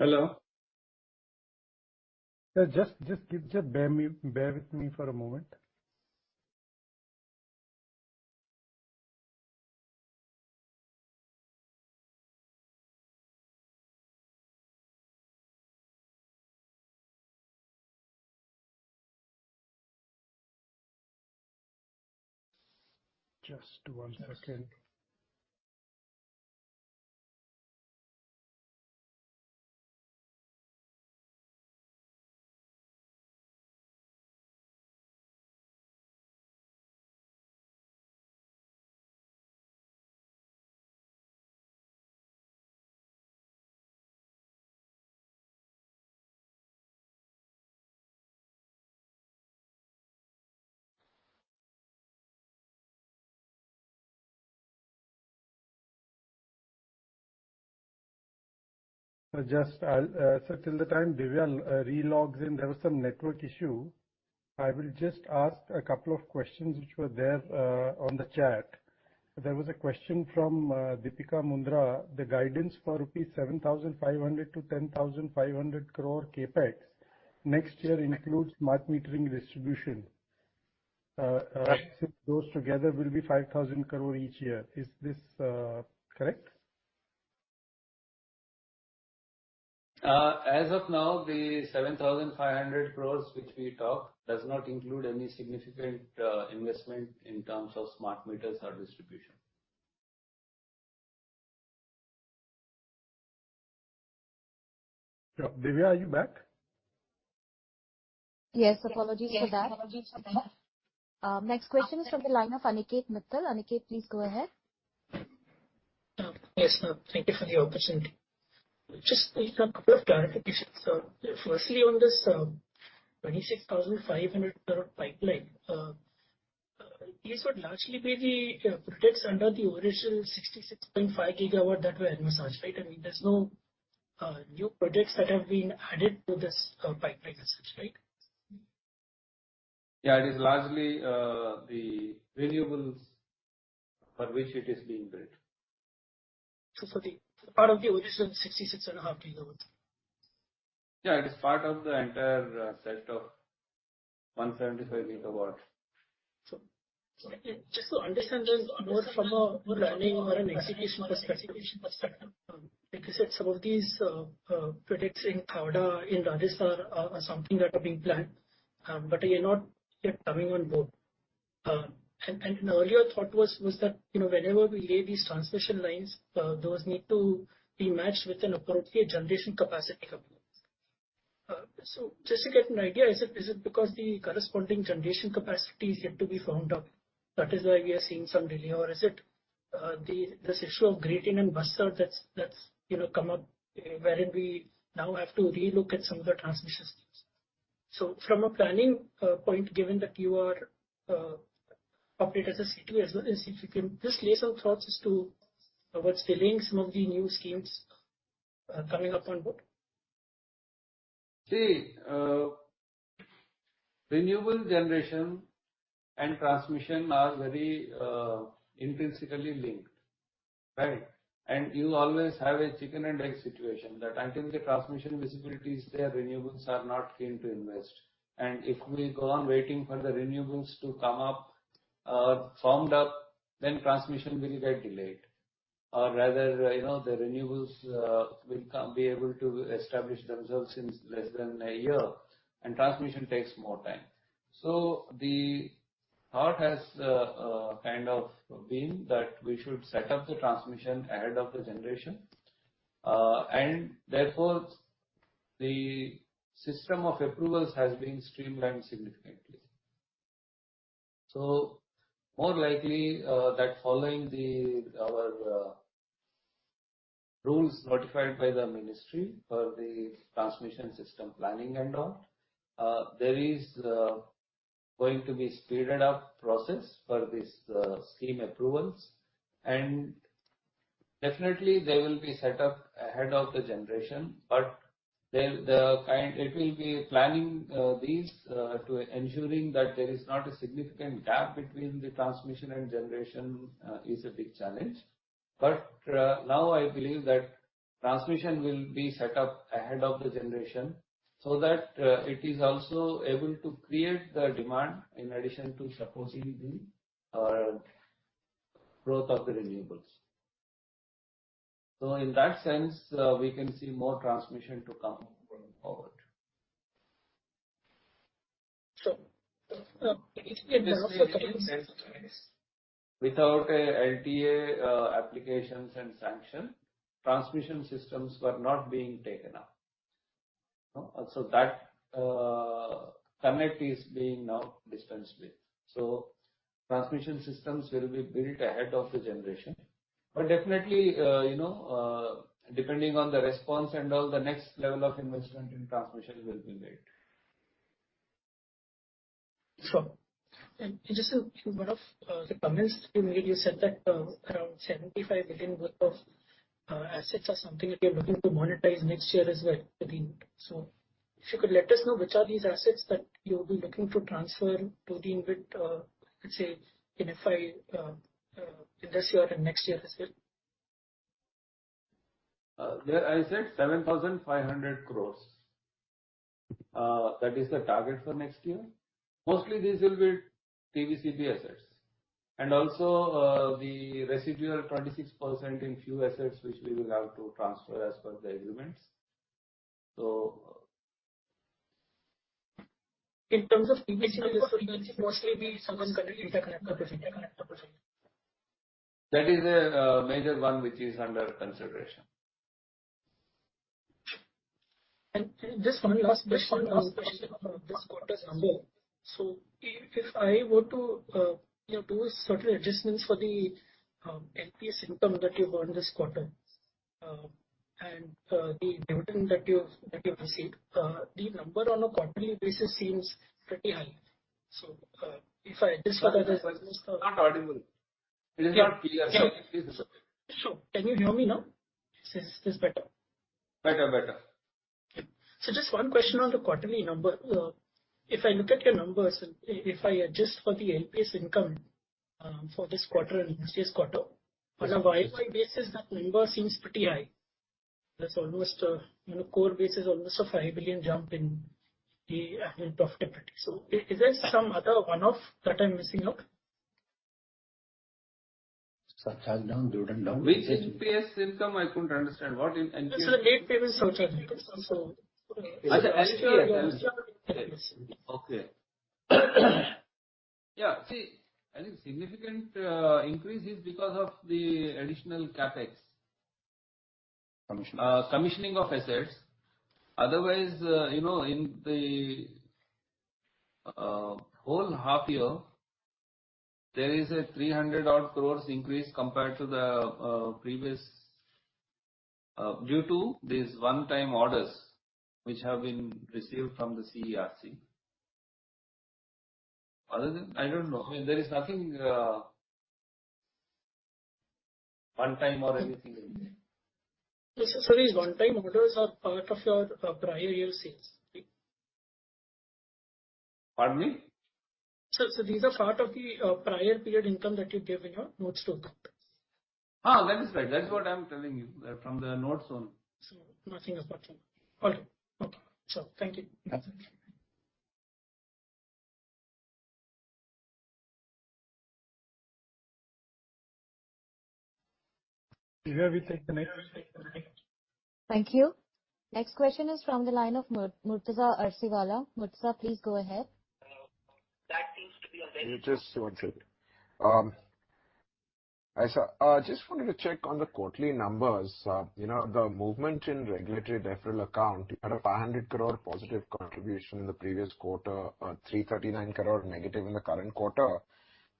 Hello. Sir, bear with me for a moment. Just one second. Yes. Just till the time Divya relogs in, there was some network issue. I will just ask a couple of questions which were there on the chat. There was a question from Deepika Mundra. The guidance for 7,500 crore-10,500 crore rupees CapEx next year includes smart metering distribution. Those together will be 5,000 crore each year. Is this correct? As of now, the 7,500 crore which we talk does not include any significant investment in terms of smart meters or distribution. Yeah. Divya, are you back? Yes. Apologies for that. Next question is from the line of Aniket Mittal. Aniket, please go ahead. Yes. Thank you for the opportunity. Just a couple of clarifications, sir. Firstly, on this 26,500 crore pipeline, these would largely be the projects under the original 66.5 GW that were in MoUs, right? I mean, there's no new projects that have been added to this pipeline as such, right? Yeah. It is largely the renewables for which it is being built. Part of the original 66.5 GW. Yeah. It is part of the entire set of 175 GW. Just to understand this more from a planning or an execution perspective, like you said, some of these projects in Khavda, in Rajasthan are something that are being planned, but they are not yet coming on board. An earlier thought was that, you know, whenever we lay these transmission lines, those need to be matched with an appropriate generation capacity component. Just to get an idea, is it because the corresponding generation capacity is yet to be formed up, that is why we are seeing some delay? Or is it this issue of Great Indian Bustard that's you know come up wherein we now have to relook at some of the transmission schemes. From a planning point, given that you operate as a CTU as well, if you can just lay some thoughts as to what's delaying some of the new schemes coming up on board. See, renewable generation and transmission are very, intrinsically linked, right? You always have a chicken and egg situation that until the transmission visibility is there, renewables are not keen to invest. If we go on waiting for the renewables to come up, formed up, then transmission will get delayed. Rather, you know, the renewables will be able to establish themselves in less than a year, and transmission takes more time. The thought has kind of been that we should set up the transmission ahead of the generation. Therefore the system of approvals has been streamlined significantly. More likely that following our rules notified by the ministry for the transmission system planning and all, there is going to be sped up process for this scheme approvals. Definitely they will be set up ahead of the generation. It will be planning these to ensure that there is not a significant gap between the transmission and generation is a big challenge. Now I believe that transmission will be set up ahead of the generation so that it is also able to create the demand in addition to supposedly the growth of the renewables. In that sense, we can see more transmission to come going forward. If we- Without a LTA, applications and sanction, transmission systems were not being taken up. That connect is being now dispensed with. Transmission systems will be built ahead of the generation. Definitely, you know, depending on the response and all, the next level of investment in transmission will be made. Sure. Just a few more of the comments you made. You said that around 75 billion worth of assets are something that you're looking to monetize next year as well to the unit. If you could let us know which are these assets that you'll be looking to transfer to the unit, let's say in this year and next year as well. There I said 7,500 crores. That is the target for next year. Mostly these will be TBCB assets and also, the residual 26% in few assets which we will have to transfer as per the agreements. In terms of TBCB assets, mostly we someone's got interconnector project. That is a major one which is under consideration. Just one last question on this quarter's number. If I were to, you know, do certain adjustments for the LPS income that you've earned this quarter, and the dividend that you've received, the number on a quarterly basis seems pretty high. If I adjust for the- It's not audible. It is not clear. Sure. Can you hear me now? Is this better? Better. Just one question on the quarterly number. If I look at your numbers, if I adjust for the LPS income for this quarter and next year's quarter, on a YY basis, that number seems pretty high. That's almost core base is almost an 5 billion jump in the annual profitability. Is there some other one-off that I'm missing out? Charge down, dude, and down. Which LPS income I could understand. Sir, Late Payment Surcharge income, so Okay. Yeah. See, I think significant increase is because of the additional CapEx. Commissioning. Commissioning of assets. Otherwise, you know, in the whole half year, there is an 300-odd crore increase compared to the previous. Due to these one-time orders which have been received from the CERC. Other than, I don't know. I mean, there is nothing one-time or anything in there. Yes, sir. Sorry, one-time orders are part of your prior year sales. Pardon me? Sir, these are part of the prior period income that you gave in your notes. That is right. That's what I'm telling you, from the notes on. Nothing apart from that. Okay. Okay. Sir, thank you. That's it. Do you hear me take the next- Thank you. Next question is from the line of Murtaza Arsiwala. Murtaza, please go ahead. That seems to be a very. Hi, sir. Just wanted to check on the quarterly numbers. You know, the movement in regulatory deferral account, you had a 500 crore positive contribution in the previous quarter, 339 crore negative in the current quarter.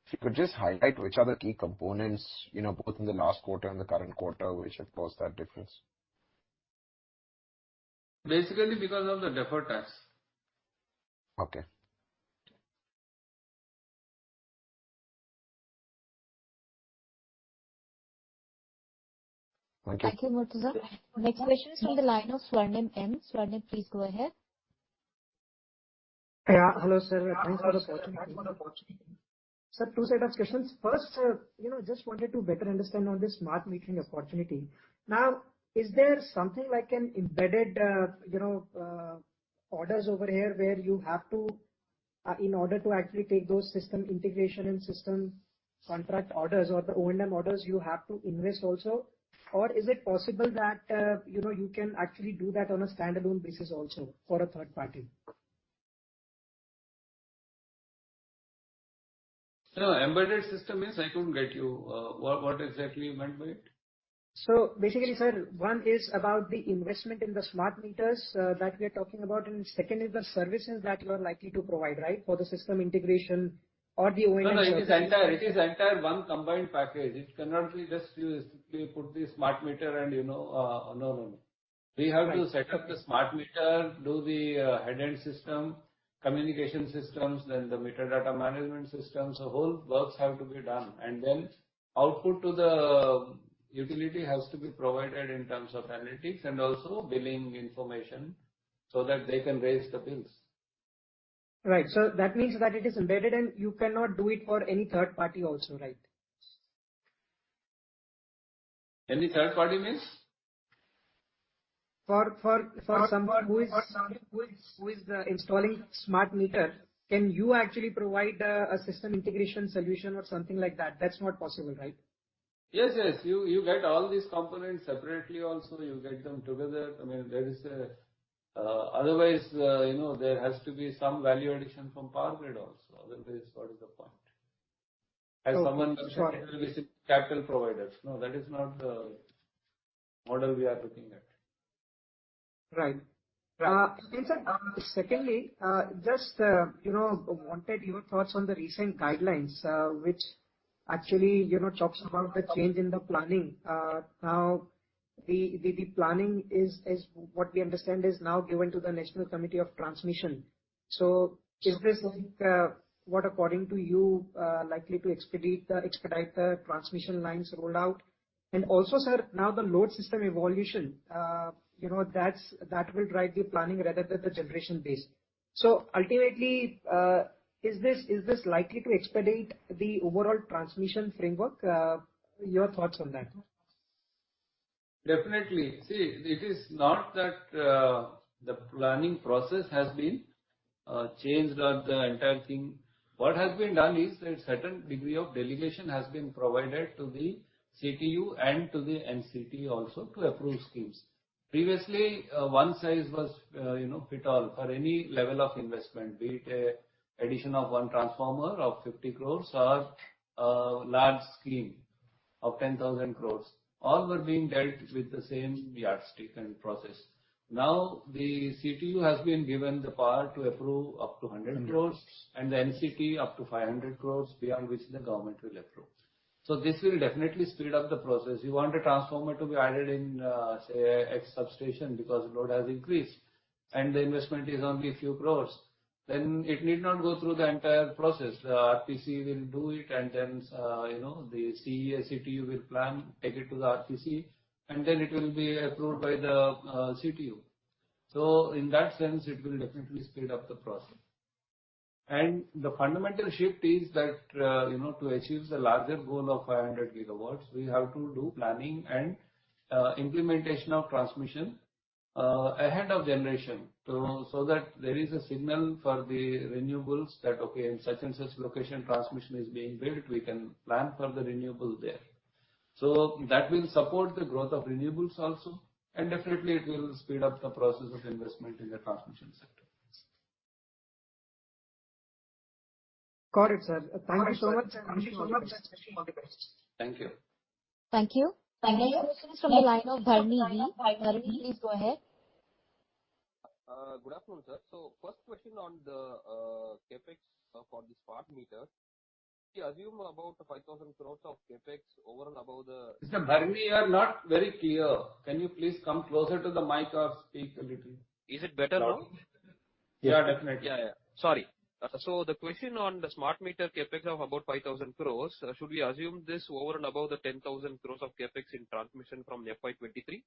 If you could just highlight which are the key components, you know, both in the last quarter and the current quarter, which have caused that difference. Basically because of the deferred tax. Okay. Thank you. Thank you, Murtaza. Next question is from the line of Swarnim Maheshwari. Swarnim, please go ahead. Yeah. Hello, sir. Thanks for the opportunity. Sir, two set of questions. First, sir, you know, just wanted to better understand on this smart metering opportunity. Now, is there something like an embedded, you know, orders over here where you have to, in order to actually take those system integration and system contract orders or the O&M orders you have to invest also? Or is it possible that, you know, you can actually do that on a standalone basis also for a third party? No, embedded system means I couldn't get you. What exactly you meant by it? Basically, sir, one is about the investment in the smart meters that we are talking about. Second is the services that you are likely to provide, right? For the system integration or the O&M services. No, it is entire one combined package. It cannot be just you put the smart meter and you know. No. Right. We have to set up the smart meter, do the headend system, communication systems, then the meter data management system. Whole works have to be done. Output to the utility has to be provided in terms of analytics and also billing information so that they can raise the bills. Right. That means that it is embedded and you cannot do it for any third party also, right? Any third party means? For someone who is installing smart meter, can you actually provide a system integration solution or something like that? That's not possible, right? Yes, yes. You get all these components separately also. You get them together. I mean, otherwise, you know, there has to be some value addition from Power Grid also. Otherwise, what is the point? Okay. Sure. No, that is not the model we are looking at. Right. Right. Okay, sir. Secondly, just, you know, wanted your thoughts on the recent guidelines, which actually, you know, talks about the change in the planning. Now, what we understand, the planning is now given to the National Committee on Transmission. Is this like, what according to you, likely to expedite the transmission lines rollout? Also, sir, now the load system evolution, you know, that will drive the planning rather than the generation base. Ultimately, is this likely to expedite the overall transmission framework? Your thoughts on that. Definitely. See, it is not that, the planning process has been, changed or the entire thing. What has been done is a certain degree of delegation has been provided to the CTU and to the NCT also to approve schemes. Previously, one size was, you know, fits all for any level of investment, be it an addition of one transformer of 50 crores or, large scheme of 10,000 crores. All were being dealt with the same yardstick and process. Now, the CTU has been given the power to approve up to 100 crores and the NCT up to 500 crores, beyond which the government will approve. This will definitely speed up the process. You want a transformer to be added in, say a X substation because load has increased and the investment is only a few crore INR, then it need not go through the entire process. The RTC will do it and then, you know, the CEA CTU will plan, take it to the RTC, and then it will be approved by the, CTU. So in that sense, it will definitely speed up the process. The fundamental shift is that, you know, to achieve the larger goal of 500 GW, we have to do planning and, implementation of transmission ahead of generation so that there is a signal for the renewables that, okay, in such and such location transmission is being built, we can plan for the renewable there. That will support the growth of renewables also, and definitely it will speed up the process of investment in the transmission sector. Got it, sir. Thank you so much. Thank you. Thank you. Thank you. Next is from the line of Bharani. Bharani, please go ahead. Good afternoon, sir. First question on the CapEx for the smart meter. We assume about 5,000 crore of CapEx over and above the- Mr. Bharani, you are not very clear. Can you please come closer to the mic or speak a little loud? Is it better now? Yeah, definitely. Yeah, yeah. Sorry. The question on the smart meter CapEx of about 5,000 crores, should we assume this over and above the 10,000 crores of CapEx in transmission from FY 2023?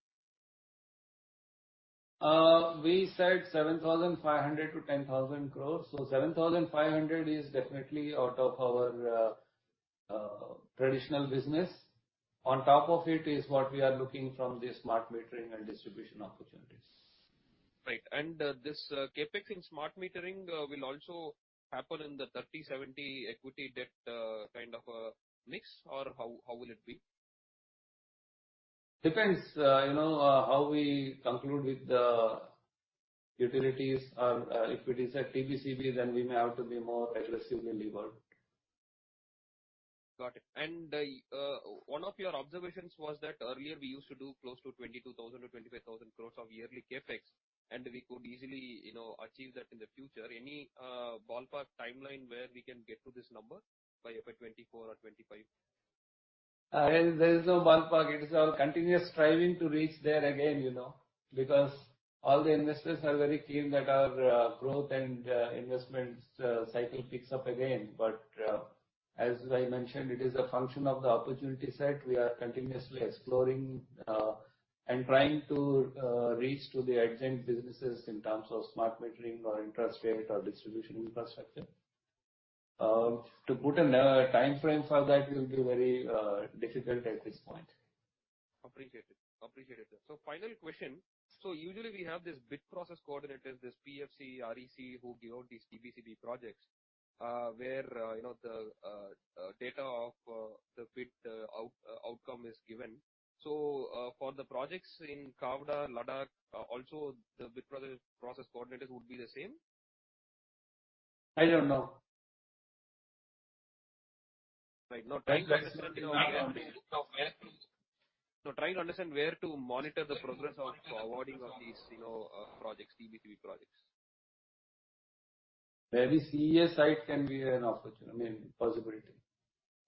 We said 7,500 crore-10,000 crore. 7,500 crore is definitely out of our traditional business. On top of it is what we are looking from the smart metering and distribution opportunities. Right. This CapEx in smart metering will also happen in the 30/70 equity debt kind of a mix or how will it be? Depends, you know, how we conclude with the utilities or, if it is a TBCB, then we may have to be more aggressively levered. Got it. One of your observations was that earlier we used to do close to 22,000 crore to 25,000 crore of yearly CapEx, and we could easily, you know, achieve that in the future. Any ballpark timeline where we can get to this number by FY 2024 or 2025? There is no ballpark. It is our continuous striving to reach there again, you know, because all the investors are very keen that our growth and investment cycle picks up again. As I mentioned, it is a function of the opportunity set. We are continuously exploring and trying to reach to the adjacent businesses in terms of smart metering or intrastate or distribution infrastructure. To put another time frame for that will be very difficult at this point. Appreciated. Final question. Usually we have this bid process coordinators, this PFC, REC, who give out these TBCB projects, where you know the data of the bid outcome is given. For the projects in Khavda, Ladakh, also the bid process coordinators would be the same? I don't know. Right. No, trying to understand where to monitor the progress of awarding of these, you know, projects, TBCB projects. Maybe CEA site can be an opportunity, I mean, possibility.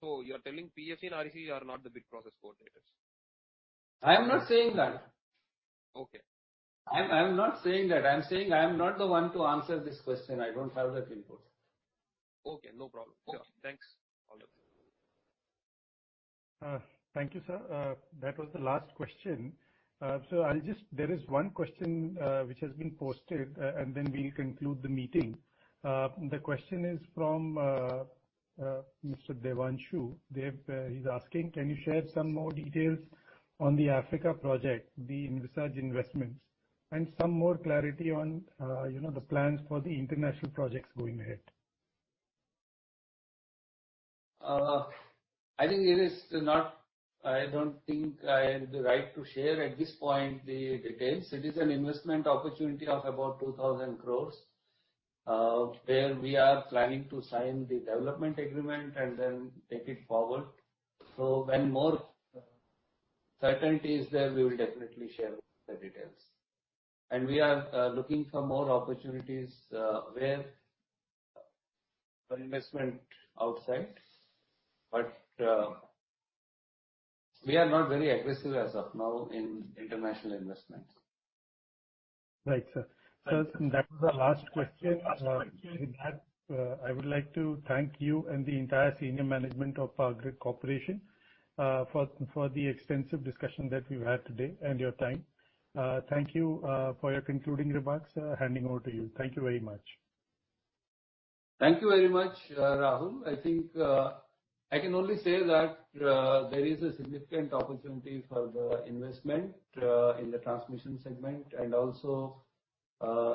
You're telling PFC and REC are not the bid process coordinators? I am not saying that. Okay. I'm not saying that. I'm saying I am not the one to answer this question. I don't have that input. Okay, no problem. Yeah. Thanks. All yours. Thank you, sir. That was the last question. There is one question which has been posted, and then we'll conclude the meeting. The question is from Mr. Devanshu. Dev, he's asking: Can you share some more details on the Africa project, the RE investments, and some more clarity on, you know, the plans for the international projects going ahead? I don't think I have the right to share at this point the details. It is an investment opportunity of about 2,000 crore, where we are planning to sign the development agreement and then take it forward. When more certainty is there, we will definitely share the details. We are looking for more opportunities where investment outside, but we are not very aggressive as of now in international investments. Right, sir. Sir, that was our last question. With that, I would like to thank you and the entire senior management of Power Grid Corporation for the extensive discussion that we've had today and your time. Thank you for your concluding remarks. Handing over to you. Thank you very much. Thank you very much, Rahul. I think, I can only say that, there is a significant opportunity for the investment, in the transmission segment and also,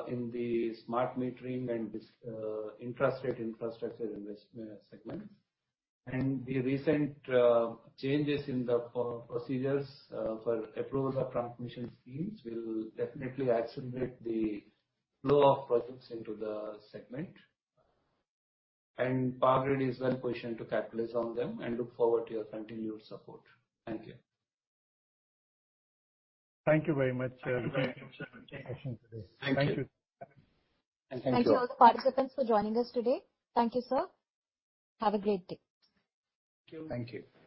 in the smart metering and this, intrastate infrastructure investment segment. The recent changes in the procedures for approval of transmission schemes will definitely accelerate the flow of projects into the segment. Power Grid is well-positioned to capitalize on them and look forward to your continued support. Thank you. Thank you very much, sir. Thank you. Thank you. Thanks to all the participants for joining us today. Thank you, sir. Have a great day. Thank you.